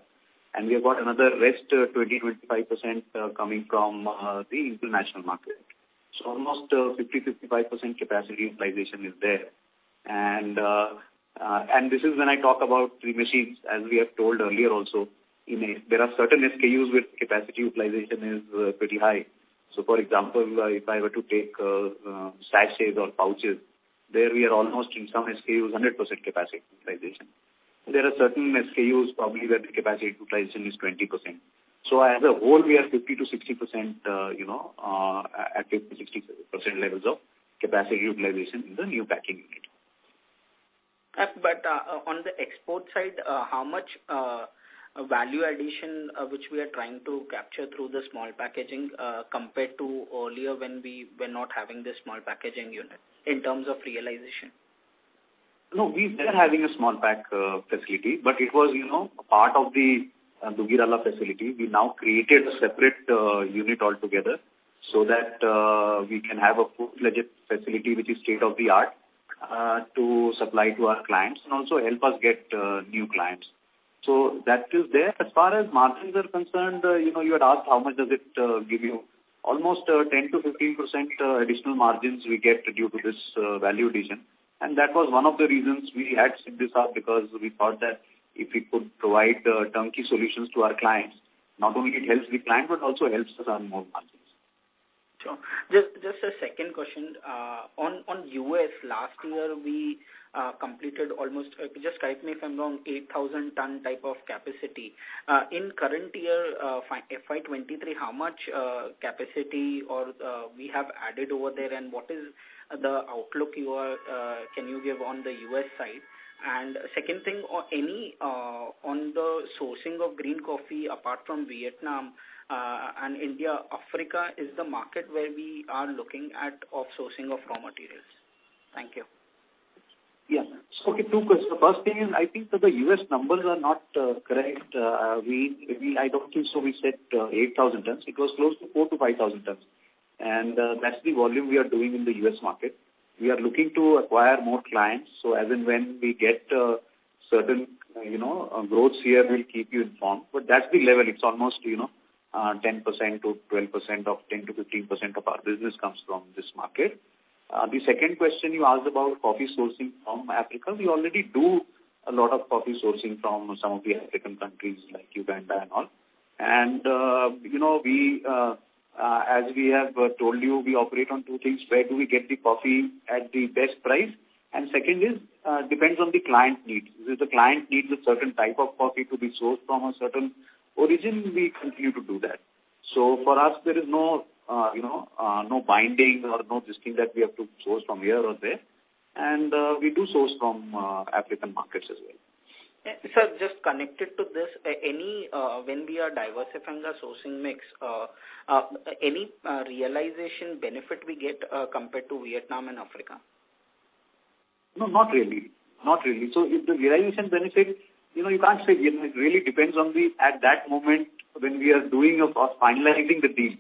We have got another rest 20%-25% coming from the international market. Almost 50%-55% capacity utilization is there. This is when I talk about 3 machines, as we have told earlier also, in a... there are certain SKUs with capacity utilization is pretty high. For example, if I were to take sachets or pouches, there we are almost in some SKUs, 100% capacity utilization. There are certain SKUs probably where the capacity utilization is 20%. As a whole, we are 50%-60%, you know, at 50%, 60% levels of capacity utilization in the new packing unit. On the export side, how much, value addition, which we are trying to capture through the small packaging, compared to earlier when we were not having the small packaging unit in terms of realization? No, we were having a small pack facility, but it was, you know, part of the Dugirala facility. We now created a separate unit altogether so that we can have a full-fledged facility which is state of the art to supply to our clients and also help us get new clients. That is there. As far as margins are concerned, you know, you had asked how much does it give you. Almost 10-15% additional margins we get due to this value addition. That was one of the reasons we had set this up because we thought that if we could provide turnkey solutions to our clients, not only it helps the client, but also helps us earn more margins. Sure. Just a second question. On U.S., last year we completed almost, just correct me if I'm wrong, 8,000 ton type of capacity. In current year, FY 2023, how much capacity or we have added over there and what is the outlook you are, can you give on the U.S. side? Second thing, or any on the sourcing of green coffee apart from Vietnam, and India, Africa is the market where we are looking at off sourcing of raw materials. Thank you. Okay, two questions. The first thing is, I think that the U.S. numbers are not correct. We, I don't think so we said 8,000 tons. It was close to 4,000 tons-5,000 tons. That's the volume we are doing in the U.S. market. We are looking to acquire more clients. As and when we get certain, you know, growth here, we'll keep you informed. That's the level. It's almost, you know, 10% to 12% of, 10% to 15% of our business comes from this market. The second question you asked about coffee sourcing from Africa. We already do a lot of coffee sourcing from some of the African countries like Uganda and all. You know, we, as we have told you, we operate on two things. Where do we get the coffee at the best price? Second is, depends on the client needs. If the client needs a certain type of coffee to be sourced from a certain origin, we continue to do that. For us, there is no, you know, no binding or no this thing that we have to source from here or there. We do source from African markets as well. Sir, just connected to this, any, when we are diversifying our sourcing mix, any, realization benefit we get, compared to Vietnam and Africa? No, not really. Not really. If the realization benefit, you know, you can't say. It really depends on the, at that moment when we are doing or finalizing the deal,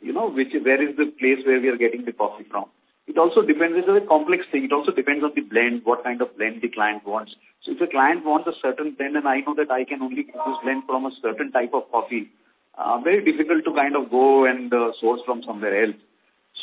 you know, which is, where is the place where we are getting the coffee from. It also depends. This is a complex thing. It also depends on the blend, what kind of blend the client wants. If the client wants a certain blend and I know that I can only get this blend from a certain type of coffee, very difficult to kind of go and source from somewhere else.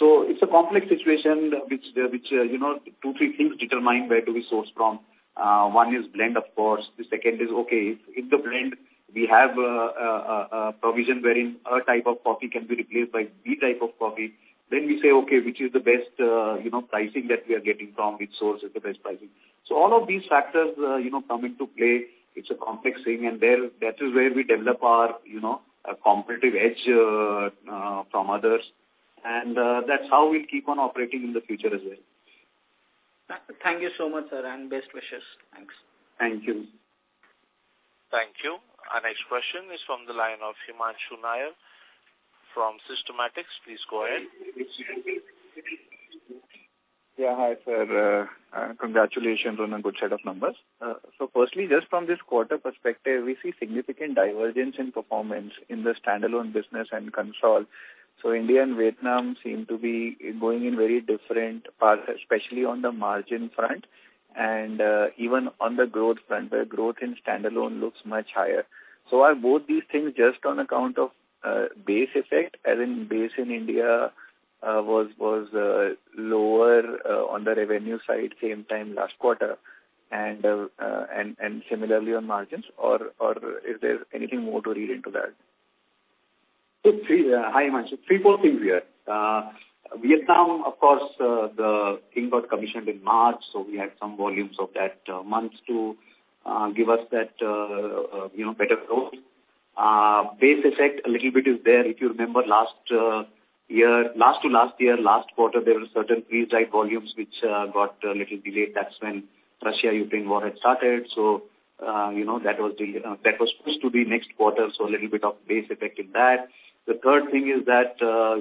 It's a complex situation which, you know, two, three things determine where do we source from. One is blend, of course. The second is, okay, if the blend we have a provision wherein A type of coffee can be replaced by B type of coffee, then we say, okay, which is the best, you know, pricing that we are getting from which source is the best pricing. All of these factors, you know, come into play. It's a complex thing. There, that is where we develop our, you know, competitive edge from others. That's how we'll keep on operating in the future as well. Thank you so much, sir, and best wishes. Thanks. Thank you. Thank you. Our next question is from the line of Himanshu Nayyar from Systematix. Please go ahead. Yeah. Hi, sir. Congratulations on a good set of numbers. Firstly, just from this quarter perspective, we see significant divergence in performance in the standalone business and console. India and Vietnam seem to be going in very different paths, especially on the margin front and even on the growth front, where growth in standalone looks much higher. Are both these things just on account of base effect, as in base in India, was lower on the revenue side same time last quarter and similarly on margins, or is there anything more to read into that? Hi, Himanshu. Three, four things here. Vietnam, of course, the thing got commissioned in March, so we had some volumes of that month to give us that, you know, better growth. Base effect a little bit is there. If you remember last year, last to last year, last quarter, there were certain pre-drive volumes which got a little delayed. That's when Russia-Ukraine war had started. That was supposed to be next quarter, so a little bit of base effect in that. The third thing is that,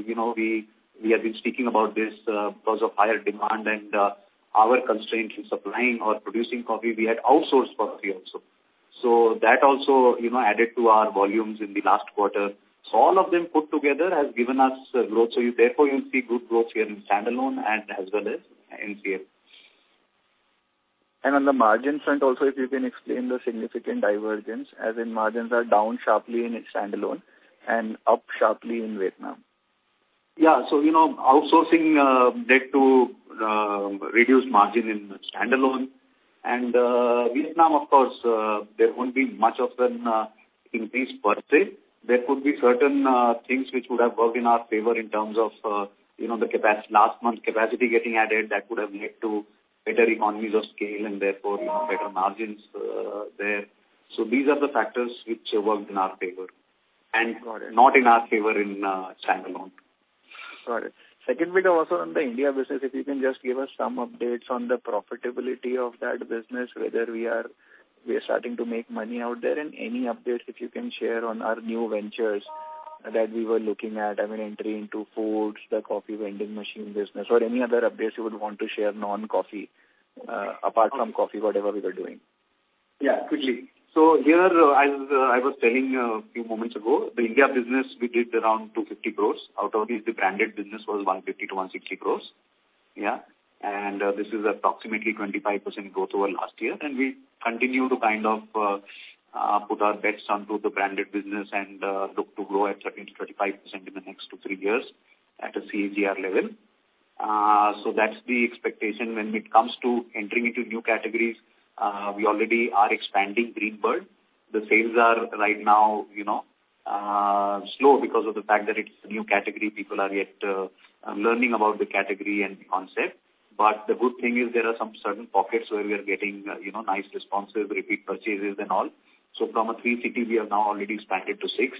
you know, we have been speaking about this, because of higher demand and our constraint in supplying or producing coffee. We had outsourced coffee also. That also, you know, added to our volumes in the last quarter. All of them put together has given us growth. Therefore, you'll see good growth here in standalone and as well as in CA. On the margin front also, if you can explain the significant divergence, as in margins are down sharply in its standalone and up sharply in Vietnam. You know, outsourcing led to reduced margin in standalone. Vietnam, of course, there won't be much of an increase per se. There could be certain things which would have worked in our favor in terms of, you know, the last month's capacity getting added that would have led to better economies of scale and therefore, you know, better margins there. These are the factors which worked in our favor. Got it. Not in our favor in standalone. Got it. Second bit also on the India business, if you can just give us some updates on the profitability of that business, whether we are starting to make money out there? Any updates, if you can share on our new ventures that we were looking at, I mean, entry into foods, the coffee vending machine business or any other updates you would want to share non-coffee, apart from coffee, whatever we were doing? Quickly. Here, as I was telling a few moments ago, the India business, we did around 250 crore. Out of this, the branded business was 150-160 crore. This is approximately 25% growth over last year. We continue to kind of put our bets onto the branded business and look to grow at 13%-35% in the next to three years at a CAGR level. That's the expectation. When it comes to entering into new categories, we already are expanding Continental Greenbird. The sales are right now, you know, slow because of the fact that it's a new category. People are yet learning about the category and the concept. The good thing is there are some certain pockets where we are getting, you know, nice responses, repeat purchases and all. From a three city, we have now already expanded to six,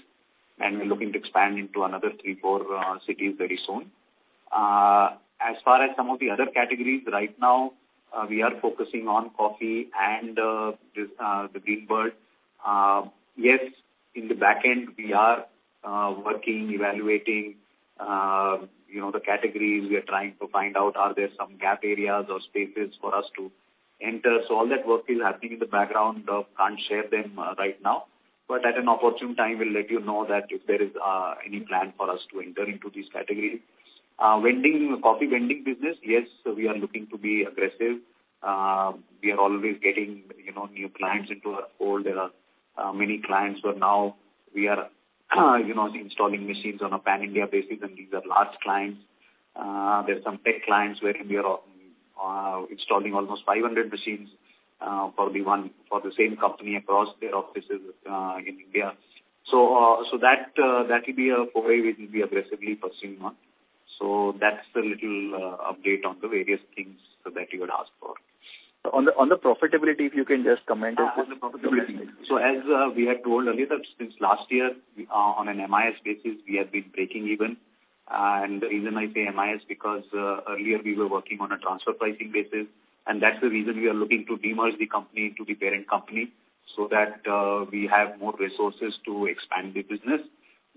and we're looking to expand into another three, four cities very soon. As far as some of the other categories, right now, we are focusing on coffee and this, the Continental Greenbird. Yes, in the back end, we are working, evaluating, you know, the categories. We are trying to find out are there some gap areas or spaces for us to enter. All that work is happening in the background. Can't share them right now. At an opportune time, we'll let you know that if there is any plan for us to enter into these categories. Vending, coffee vending business, yes, we are looking to be aggressive. We are always getting, you know, new clients into our fold. There are many clients who are now. We are, you know, installing machines on a pan-India basis, and these are large clients. There are some tech clients where we are installing almost 500 machines, probably one for the same company across their offices in India. That will be a way we will be aggressively pursuing on. That's the little update on the various things that you had asked for. On the profitability, if you can just comment also. On the profitability. As we had told earlier, since last year, on an MIS basis, we have been breaking even. The reason I say MIS because earlier we were working on a transfer pricing basis, and that's the reason we are looking to demerge the company to the parent company so that we have more resources to expand the business.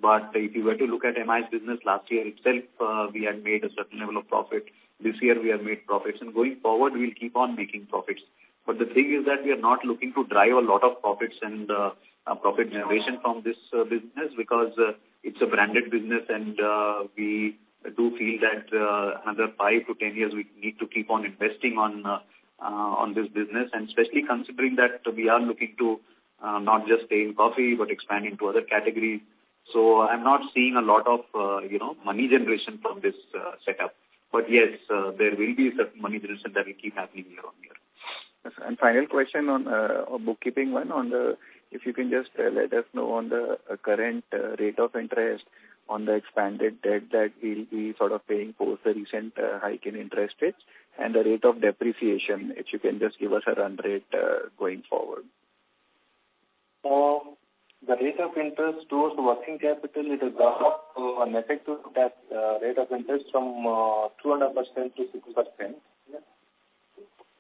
If you were to look at MIS business last year itself, we had made a certain level of profit. This year we have made profits. Going forward, we'll keep on making profits. The thing is that we are not looking to drive a lot of profits and profit generation from this business because it's a branded business and we do feel that another five to 10 years we need to keep on investing on this business. Especially considering that we are looking to not just sell coffee, but expand into other categories. I'm not seeing a lot of, you know, money generation from this setup. Yes, there will be a certain money generation that will keep happening year-on-year. Final question on a bookkeeping one. If you can just let us know on the current rate of interest on the expanded debt that we'll be sort of paying post the recent hike in interest rates and the rate of depreciation, if you can just give us a run rate going forward? The rate of interest towards working capital, it has gone up to an effective tax rate of interest from 200% to 6%. Yeah.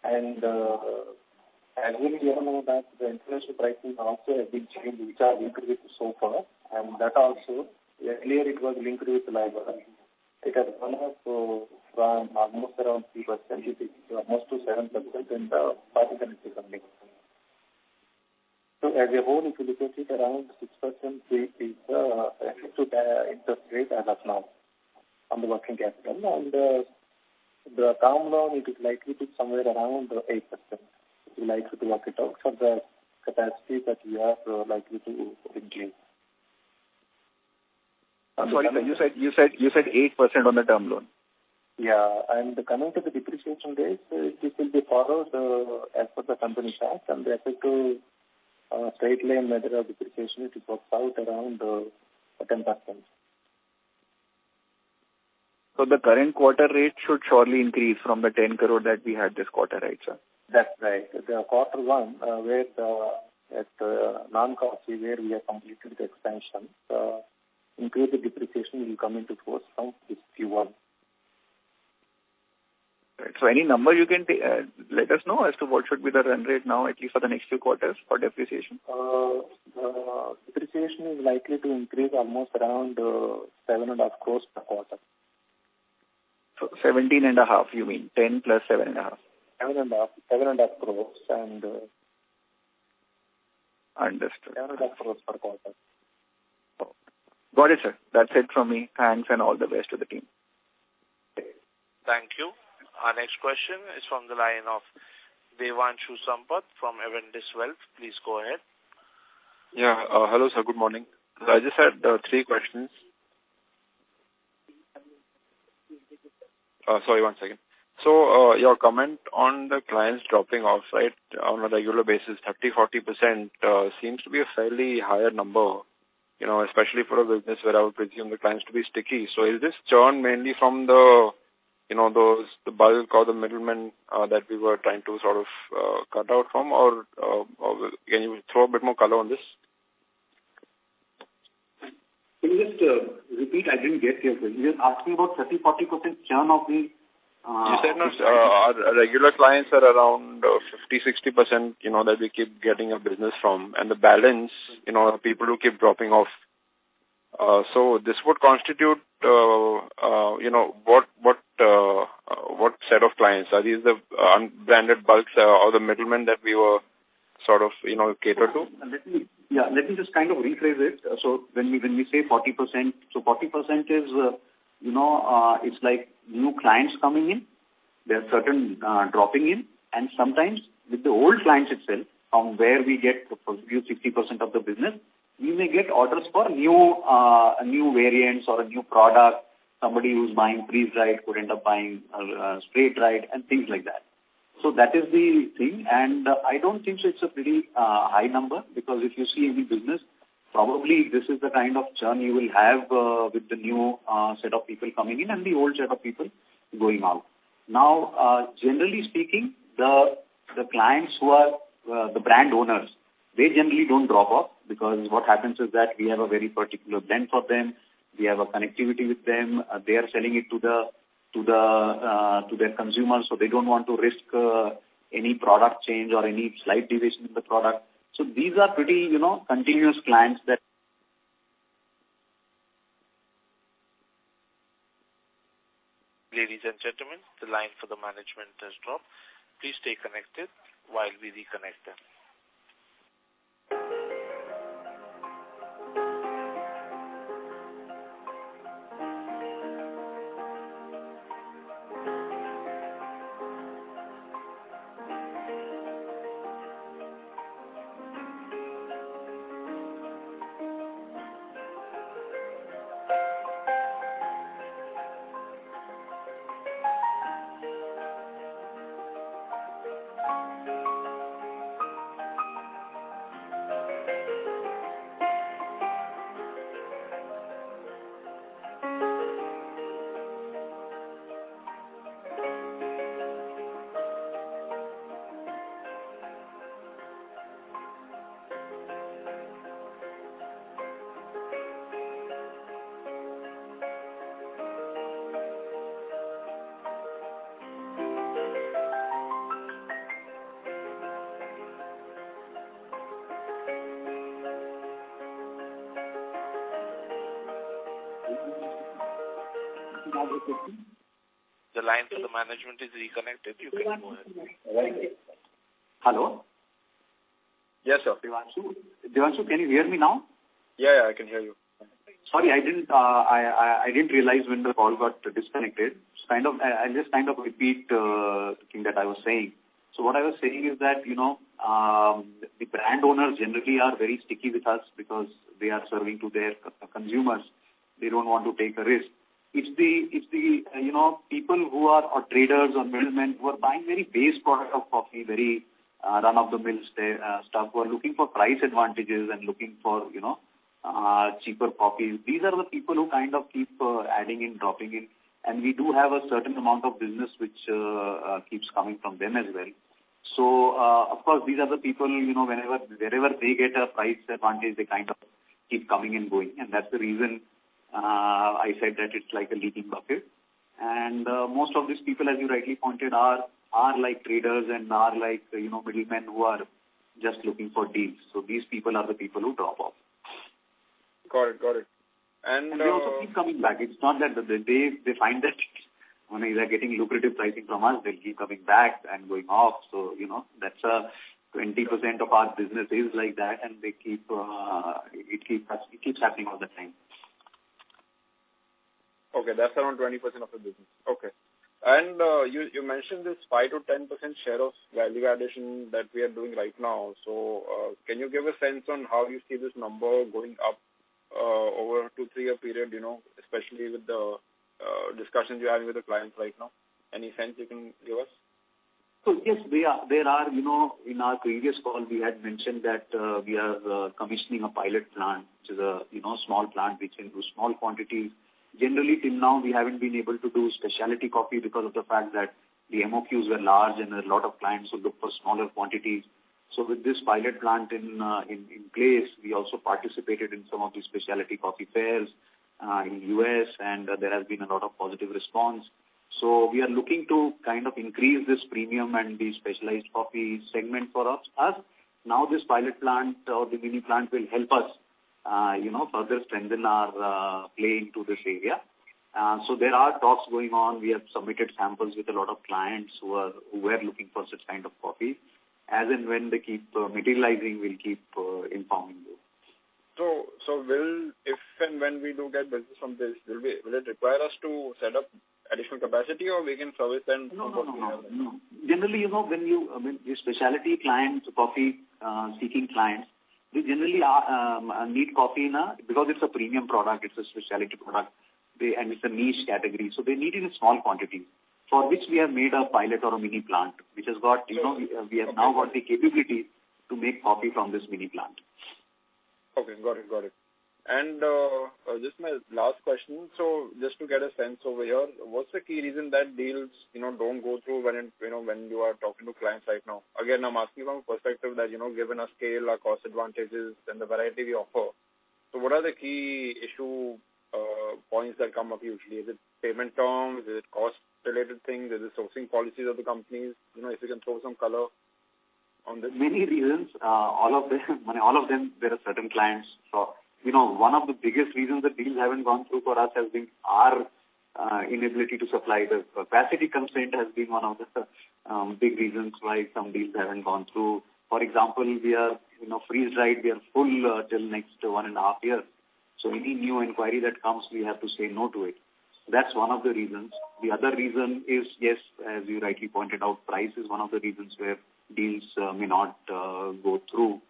As we all know that the inflation prices also have been changed, which are increased so far. That also, earlier it was linked with LIBOR. It has gone up to, from almost around 3% to almost to 7% past 10 years or something. As a whole, if you look at it, around 6% rate is effective interest rate as of now on the working capital. The term loan, it is likely to be somewhere around 8%. We likely to work it out for the capacity that we are likely to engage. Sorry, you said 8% on the term loan? Yeah. Coming to the depreciation rates, this will be followed as per the company tax and the effective straight line method of depreciation, it works out around 10%. The current quarter rate should surely increase from the 10 crore that we had this quarter, right, sir? That's right. The quarter one, with at non-coffee, where we have completed the expansion, increased depreciation will come into force from Q1. Any number you can let us know as to what should be the run rate now, at least for the next few quarters for depreciation? Depreciation is likely to increase almost around seven and a half crores per quarter. 17.5, you mean. 10 plus seven and a half. 7.5 crore. Understood. 7.5 crore per quarter. Got it, sir. That's it from me. Thanks. All the best to the team. Thank you. Our next question is from the line of Devanshu Sampat from Avendus Wealth. Please go ahead. Yeah. Hello, sir. Good morning. I just had three questions. Sorry, one second. Your comment on the clients dropping off, right, on a regular basis, 30%, 40%, seems to be a fairly higher number, you know, especially for a business where I would presume the clients to be sticky. Is this churn mainly from the, you know, those, the bulk or the middlemen that we were trying to sort of cut out from? Or can you throw a bit more color on this? Can you just repeat? I didn't get you. You're asking about 30%, 40% churn of the- You said, our regular clients are around 50%-60%, you know, that we keep getting our business from. The balance, you know, are people who keep dropping off. This would constitute, you know, what, what set of clients? Are these the, unbranded bulks or the middlemen that we were sort of, you know, catered to? Let me just kind of rephrase it. When we say 40%, 40% is, you know, like new clients coming in. There are certain dropping in. Sometimes with the old clients itself, from where we get the 50% of the business, we may get orders for new new variants or a new product. Somebody who's buying freeze-dried could end up buying spray-dried and things like that. That is the thing. I don't think it's a pretty high number, because if you see any business, probably this is the kind of churn you will have with the new set of people coming in and the old set of people going out. Generally speaking, the clients who are the brand owners, they generally don't drop off, because what happens is that we have a very particular blend for them. We have a connectivity with them. They are selling it to the to their consumers, so they don't want to risk any product change or any slight deviation in the product. These are pretty, you know, continuous clients. Ladies and gentlemen, the line for the management has dropped. Please stay connected while we reconnect them. The line for the management is reconnected. You can go ahead. All right. Hello? Yes, sir. Devanshu, can you hear me now? Yeah, yeah, I can hear you. Sorry, I didn't realize when the call got disconnected. I'll just kind of repeat the thing that I was saying. What I was saying is that, you know, the brand owners generally are very sticky with us because they are serving to their consumers. They don't want to take a risk. It's the, you know, people who are traders or middlemen who are buying very base product of coffee, very run-of-the-mill stuff, who are looking for price advantages and looking for, you know, cheaper coffee. These are the people who kind of keep adding in, dropping in. We do have a certain amount of business which keeps coming from them as well. Of course, these are the people, you know, whenever, wherever they get a price advantage, they kind of keep coming and going. That's the reason I said that it's like a leaking bucket. Most of these people, as you rightly pointed, are like traders and are like, you know, middlemen who are just looking for deals. These people are the people who drop off. Got it. Got it. They also keep coming back. It's not that they find that when they are getting lucrative pricing from us, they'll keep coming back and going off. You know, that's 20% of our business is like that, and they keep, it keeps happening all the time. Okay, that's around 20% of the business. You mentioned this 5%-10% share of value addition that we are doing right now. Can you give a sense on how you see this number going up over a two, three-year period, you know, especially with the discussions you're having with the clients right now? Any sense you can give us? Yes, there are, you know, in our previous call, we had mentioned that we are commissioning a pilot plant, which is a, you know, small plant which can do small quantities. Generally, till now, we haven't been able to do specialty coffee because of the fact that the MOQs were large, and a lot of clients would look for smaller quantities. With this pilot plant in place, we also participated in some of the specialty coffee fairs in U.S., and there has been a lot of positive response. We are looking to kind of increase this premium and the specialized coffee segment for us. Now, this pilot plant or the mini plant will help us, you know, further strengthen our play into this area. There are talks going on. We have submitted samples with a lot of clients who were looking for such kind of coffee. As and when they keep materializing, we'll keep informing you. If and when we do get business from this, will it require us to set up additional capacity or we can service them from what we have now? No, no, no. Generally, you know, when you, I mean, the specialty clients, coffee, seeking clients, they generally are, need coffee in a... Because it's a premium product, it's a specialty product. It's a niche category, so they need it in small quantities. For which we have made a pilot or a mini plant, which has got, you know, we have now got the capability to make coffee from this mini plant. Okay. Got it. Got it. This is my last question. Just to get a sense over here, what's the key reason that deals, you know, don't go through when, you know, when you are talking to clients right now? Again, I'm asking from a perspective that, you know, given our scale, our cost advantages and the variety we offer. What are the key issue points that come up usually? Is it payment terms? Is it cost related things? Is it sourcing policies of the companies? You know, if you can throw some color on that. Many reasons. All of them, I mean all of them, there are certain clients. You know, one of the biggest reasons that deals haven't gone through for us has been our inability to supply the capacity constraint, has been one of the big reasons why some deals haven't gone through. For example, we are, you know, freeze-dried. We are full till next one and a half year. Any new inquiry that comes, we have to say no to it. That's one of the reasons. The other reason is, yes, as you rightly pointed out, price is one of the reasons where deals may not go through.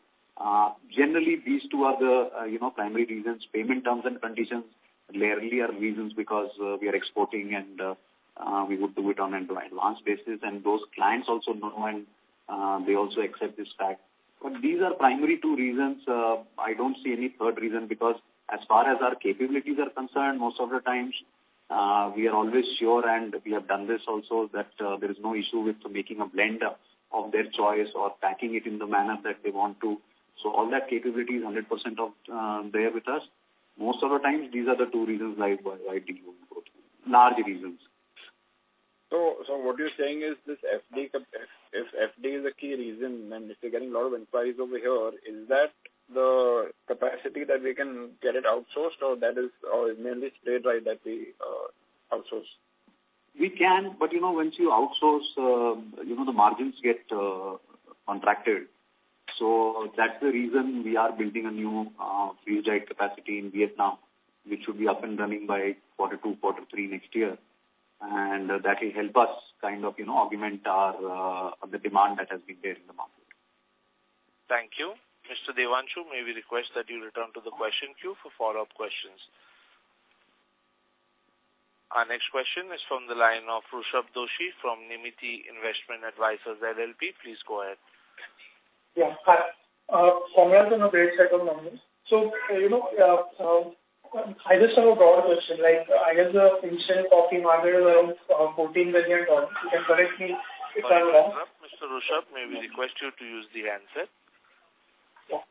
Generally these two are the, you know, primary reasons. Payment terms and conditions rarely are reasons because we are exporting and we would do it on an advanced basis. Those clients also know and they also accept this fact. These are primary two reasons. I don't see any third reason, because as far as our capabilities are concerned, most of the times, we are always sure, and we have done this also, that there is no issue with making a blend of their choice or packing it in the manner that they want to. All that capability is 100% of there with us. Most of the times these are the two reasons why deals won't go through. Large reasons. What you're saying is this FD is a key reason, and if you're getting a lot of inquiries over here, is that the capacity that we can get it outsourced or it's mainly spray dry that we outsource? We can, but you know, once you outsource, you know, the margins get contracted. That's the reason we are building a new freeze-dried capacity in Vietnam, which should be up and running by quarter two, quarter three next year. That will help us kind of, you know, augment our the demand that has been there in the market. Thank you. Mr. Devanshu, may we request that you return to the question queue for follow-up questions. Our next question is from the line of Rushabh Doshi from Nirmiti Investment Advisors LLP. Please go ahead. Yeah. Hi. Congrats on a great set of numbers. You know, I just have a broad question. Like, I guess the instant coffee market is around $14 billion. You can correct me if I'm wrong. Mr. Rushabh, may we request you to use the handset? Yeah.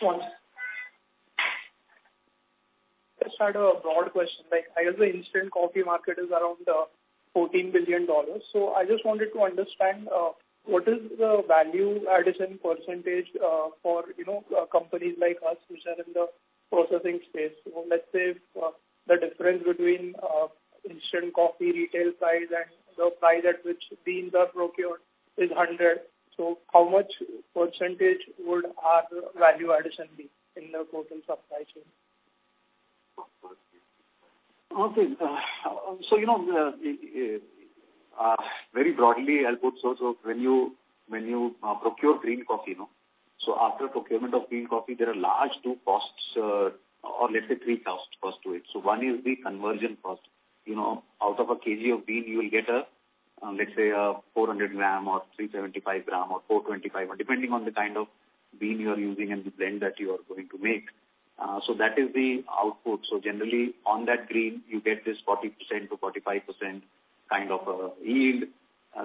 Sorry. I just had a broad question. Like, I guess the instant coffee market is around $14 billion. I just wanted to understand what is the value addition percentage for, you know, companies like us which are in the processing space? Let's say if the difference between instant coffee retail price and the price at which beans are procured is 100, how much percentage would our value addition be in the total supply chain? Okay. You know, very broadly, I'll put when you procure green coffee, no? After procurement of green coffee, there are large two costs, or let's say three costs to it. One is the conversion cost. You know, out of a kg of bean you will get a, let's say a 400 g or 375 g or 425 g, depending on the kind of bean you are using and the blend that you are going to make. That is the output. Generally on that green you get this 40%-45% kind of yield.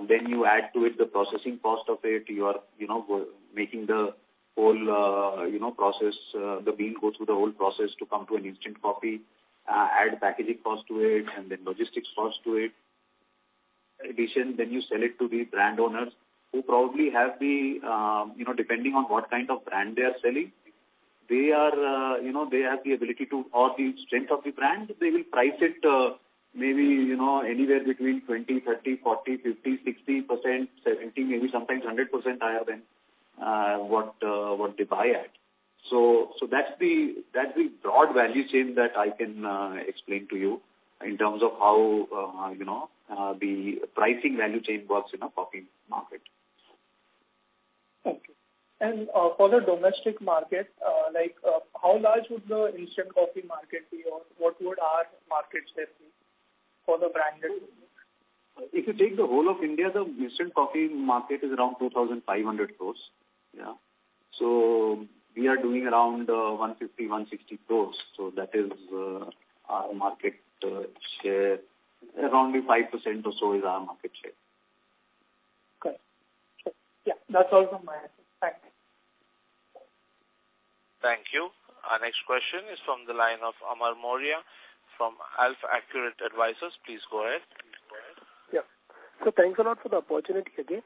Then you add to it the processing cost of it. You are, you know, making the whole, you know, process, the bean go through the whole process to come to an instant coffee. Add packaging cost to it and then logistics cost to it. Then you sell it to the brand owners who probably have the, you know, depending on what kind of brand they are selling, they are, you know, they have the ability to, or the strength of the brand. They will price it, maybe, you know, anywhere between 20%, 30%, 40%, 50%, 60%, 70%, maybe sometimes 100% higher than what they buy at. That's the broad value chain that I can explain to you in terms of how, you know, the pricing value chain works in a coffee market. Okay. For the domestic market, like, how large would the instant coffee market be, or what would our market share be for the branded? If you take the whole of India, the instant coffee market is around 2,500 crore. Yeah. We are doing around, 150-60 crore. That is, our market, share. Around 5% or so is our market share. Okay. Sure. Yeah. That's all from my end. Thank you. Thank you. Our next question is from the line of Amar Maurya from AlfAccurate Advisors. Please go ahead. Yeah. Thanks a lot for the opportunity again.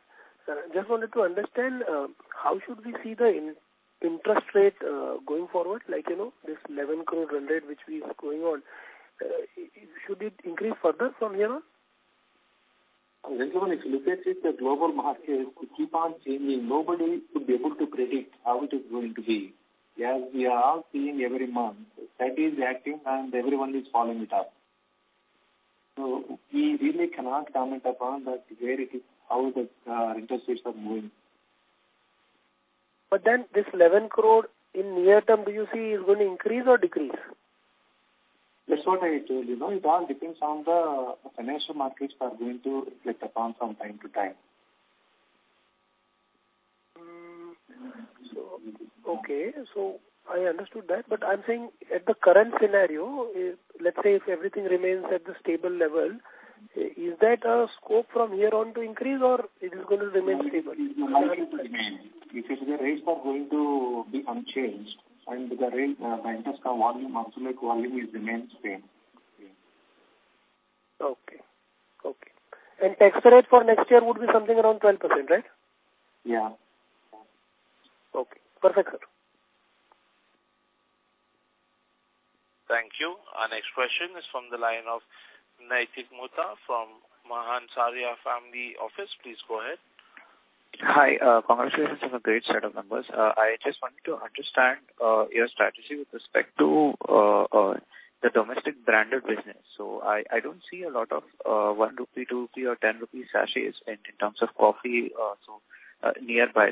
Just wanted to understand how should we see the in-interest rate going forward, like, you know, this 11 crore run rate which is going on. Should it increase further from here on? Gentleman, if you look at it, the global market will keep on changing. Nobody should be able to predict how it is going to be. As we are all seeing every month, Fed is acting and everyone is following it up. We really cannot comment upon that where it is, how the interest rates are moving. This 11 crore in near term, do you see is going to increase or decrease? That's what I told you. No, it all depends on the financial markets are going to reflect upon from time to time. Okay. I understood that. I'm saying at the current scenario, if, let's say, if everything remains at the stable level, is that a scope from here on to increase or it is gonna remain stable? It's likely to remain. If it's the rates are going to be unchanged and the rate, the interest volume, absolute volume is remain same. Yeah. Okay. Okay. Tax rate for next year would be something around 12%, right? Yeah. Okay. Perfect, sir. Thank you. Our next question is from the line of Naitik Mutha from Mahansaria Family Office. Please go ahead. Hi, congratulations on a great set of numbers. I just wanted to understand, your strategy with respect to, the domestic branded business. I don't see a lot of, 1 rupee, 2 rupee or 10 rupee sachets in terms of coffee, so, nearby.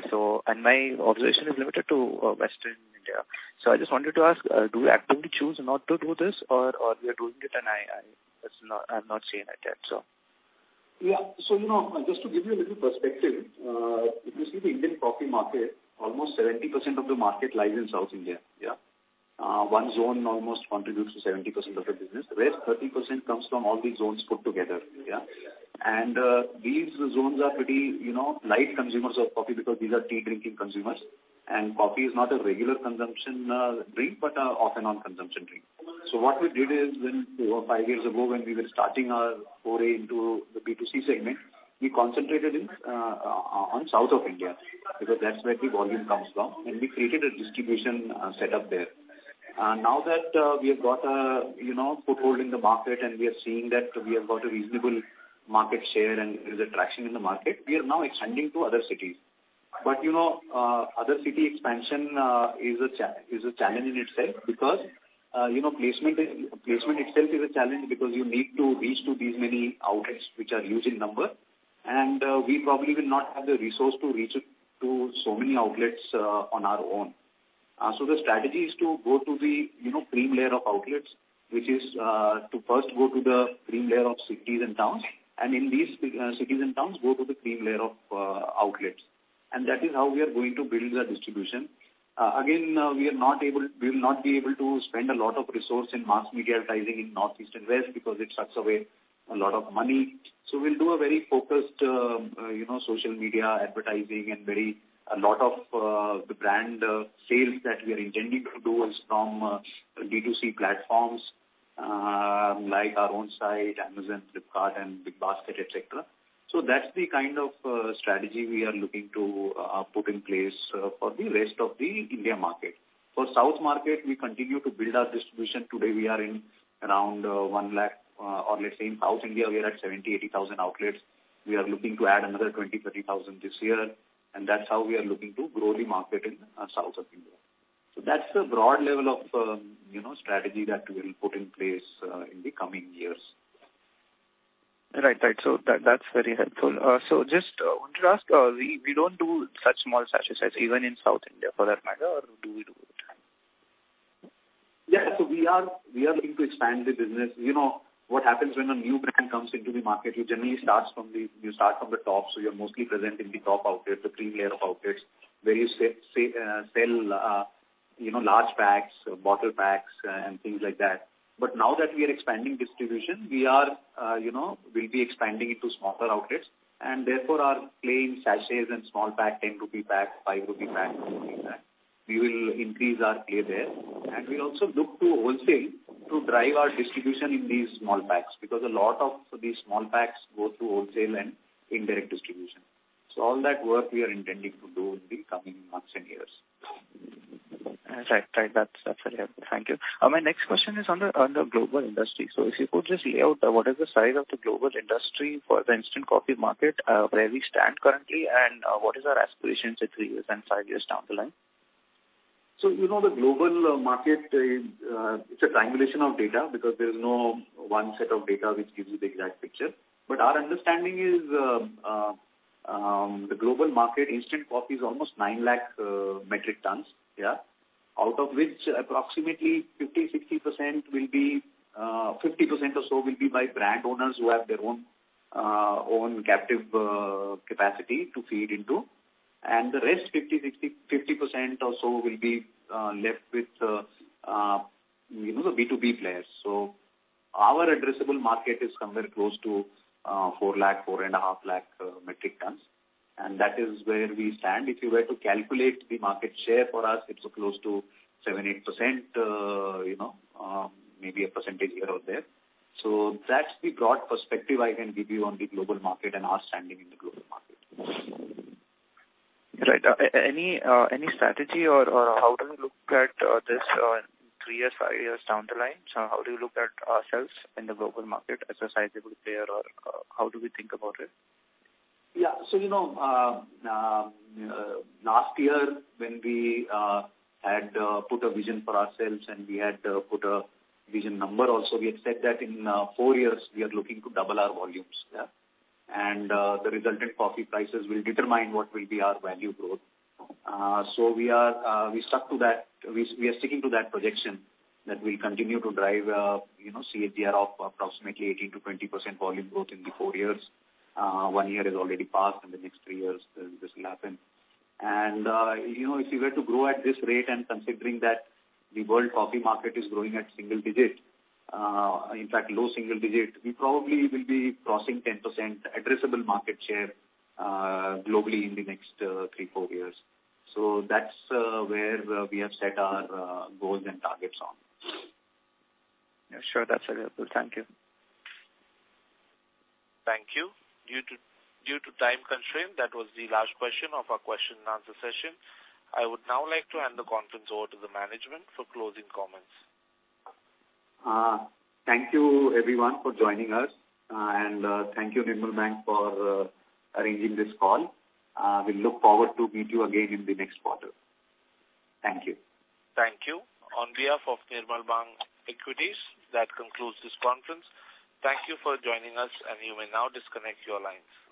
My observation is limited to, Western India. I just wanted to ask, do you actively choose not to do this or we are doing it and I'm not seeing it yet, so? Yeah. You know, just to give you a little perspective, if you see the Indian coffee market, almost 70% of the market lies in South India. Yeah. One zone almost contributes to 70% of the business. Mm-hmm. The rest 30% comes from all the zones put together. Yeah. These zones are pretty, you know, light consumers of coffee because these are tea-drinking consumers, and coffee is not a regular consumption drink, but an off and on consumption drink. What we did is when, four, five years ago, when we were starting our foray into the B2C segment, we concentrated on south of India, because that's where the volume comes from, and we created a distribution setup there. Now that we have got a, you know, foothold in the market and we are seeing that we have got a reasonable market share and there's a traction in the market, we are now extending to other cities. You know, other city expansion is a challenge in itself because, you know, placement itself is a challenge because you need to reach to these many outlets which are huge in number, and we probably will not have the resource to reach it to so many outlets on our own. The strategy is to go to the, you know, cream layer of outlets, which is to first go to the cream layer of cities and towns, and in these cities and towns, go to the cream layer of outlets. That is how we are going to build our distribution. Again, we are not able... We will not be able to spend a lot of resource in mass media advertising in North, East and West because it sucks away a lot of money. We'll do a very focused, you know, social media advertising and very, a lot of the brand sales that we are intending to do is from D2C platforms, like our own site, Amazon, Flipkart and BigBasket, et cetera. That's the kind of strategy we are looking to put in place for the rest of the India market. For South market, we continue to build our distribution. Today, we are in around 1 lakh, or let's say in South India, we are at 70,000-80,000 outlets. We are looking to add another 20,000-30,000 this year. That's how we are looking to grow the market in south of India. That's the broad level of, you know, strategy that we will put in place in the coming years. Right. That's very helpful. Just wanted to ask, we don't do such small sachets as even in South India for that matter, or do we do it? We are looking to expand the business. You know what happens when a new brand comes into the market, it generally starts from the top. You start from the top, so you're mostly present in the top outlets, the cream layer of outlets, where you sell, you know, large packs, bottle packs and things like that. Now that we are expanding distribution, we are, you know, we'll be expanding into smaller outlets, and therefore our plain sachets and small pack, 10 rupee pack, 5 rupee pack and things like that, we will increase our play there. We'll also look to wholesale to drive our distribution in these small packs, because a lot of these small packs go through wholesale and indirect distribution. All that work we are intending to do in the coming months and years. Right. Right. That's very helpful. Thank you. My next question is on the global industry. If you could just lay out what is the size of the global industry for the instant coffee market, where we stand currently, and what is our aspirations at three years and five years down the line? You know, the global market is, it's a triangulation of data because there's no one set of data which gives you the exact picture. Our understanding is, the global market instant coffee is almost 9 lakh metric tons. Yeah. Out of which approximately 50%-60% will be, 50% or so will be by brand owners who have their own captive capacity to feed into. The rest, 50% or so will be left with, you know, the B2B players. Our addressable market is somewhere close to 4 lakh-4.5 lakh metric tons, and that is where we stand. If you were to calculate the market share for us, it's close to 7%-8%, you know, maybe a percentage here or there. That's the broad perspective I can give you on the global market and our standing in the global market. Right. Any strategy or how do you look at this, three hears, five years down the line? How do you look at ourselves in the global market as a sizable player or how do we think about it? Yeah. you know, last year when we had put a vision for ourselves and we had put a vision number also, we had said that in four years we are looking to double our volumes. Yeah. The resultant coffee prices will determine what will be our value growth. We are we stuck to that. We are sticking to that projection that we continue to drive, you know, CAGR of approximately 18%-20% volume growth in the four years. one year has already passed, in the next three years this will happen. you know, if you were to grow at this rate and considering that the world coffee market is growing at single digit, in fact low single digit, we probably will be crossing 10% addressable market share, globally in the next, three, four years. That's where we have set our goals and targets on. Yeah, sure. That's available. Thank you. Thank you. Due to time constraint, that was the last question of our question and answer session. I would now like to hand the conference over to the management for closing comments. Thank you everyone for joining us. Thank you Nirmal Bang for arranging this call. We look forward to meet you again in the next quarter. Thank you. Thank you. On behalf of Nirmal Bang Equities, that concludes this conference. Thank you for joining us, and you may now disconnect your lines.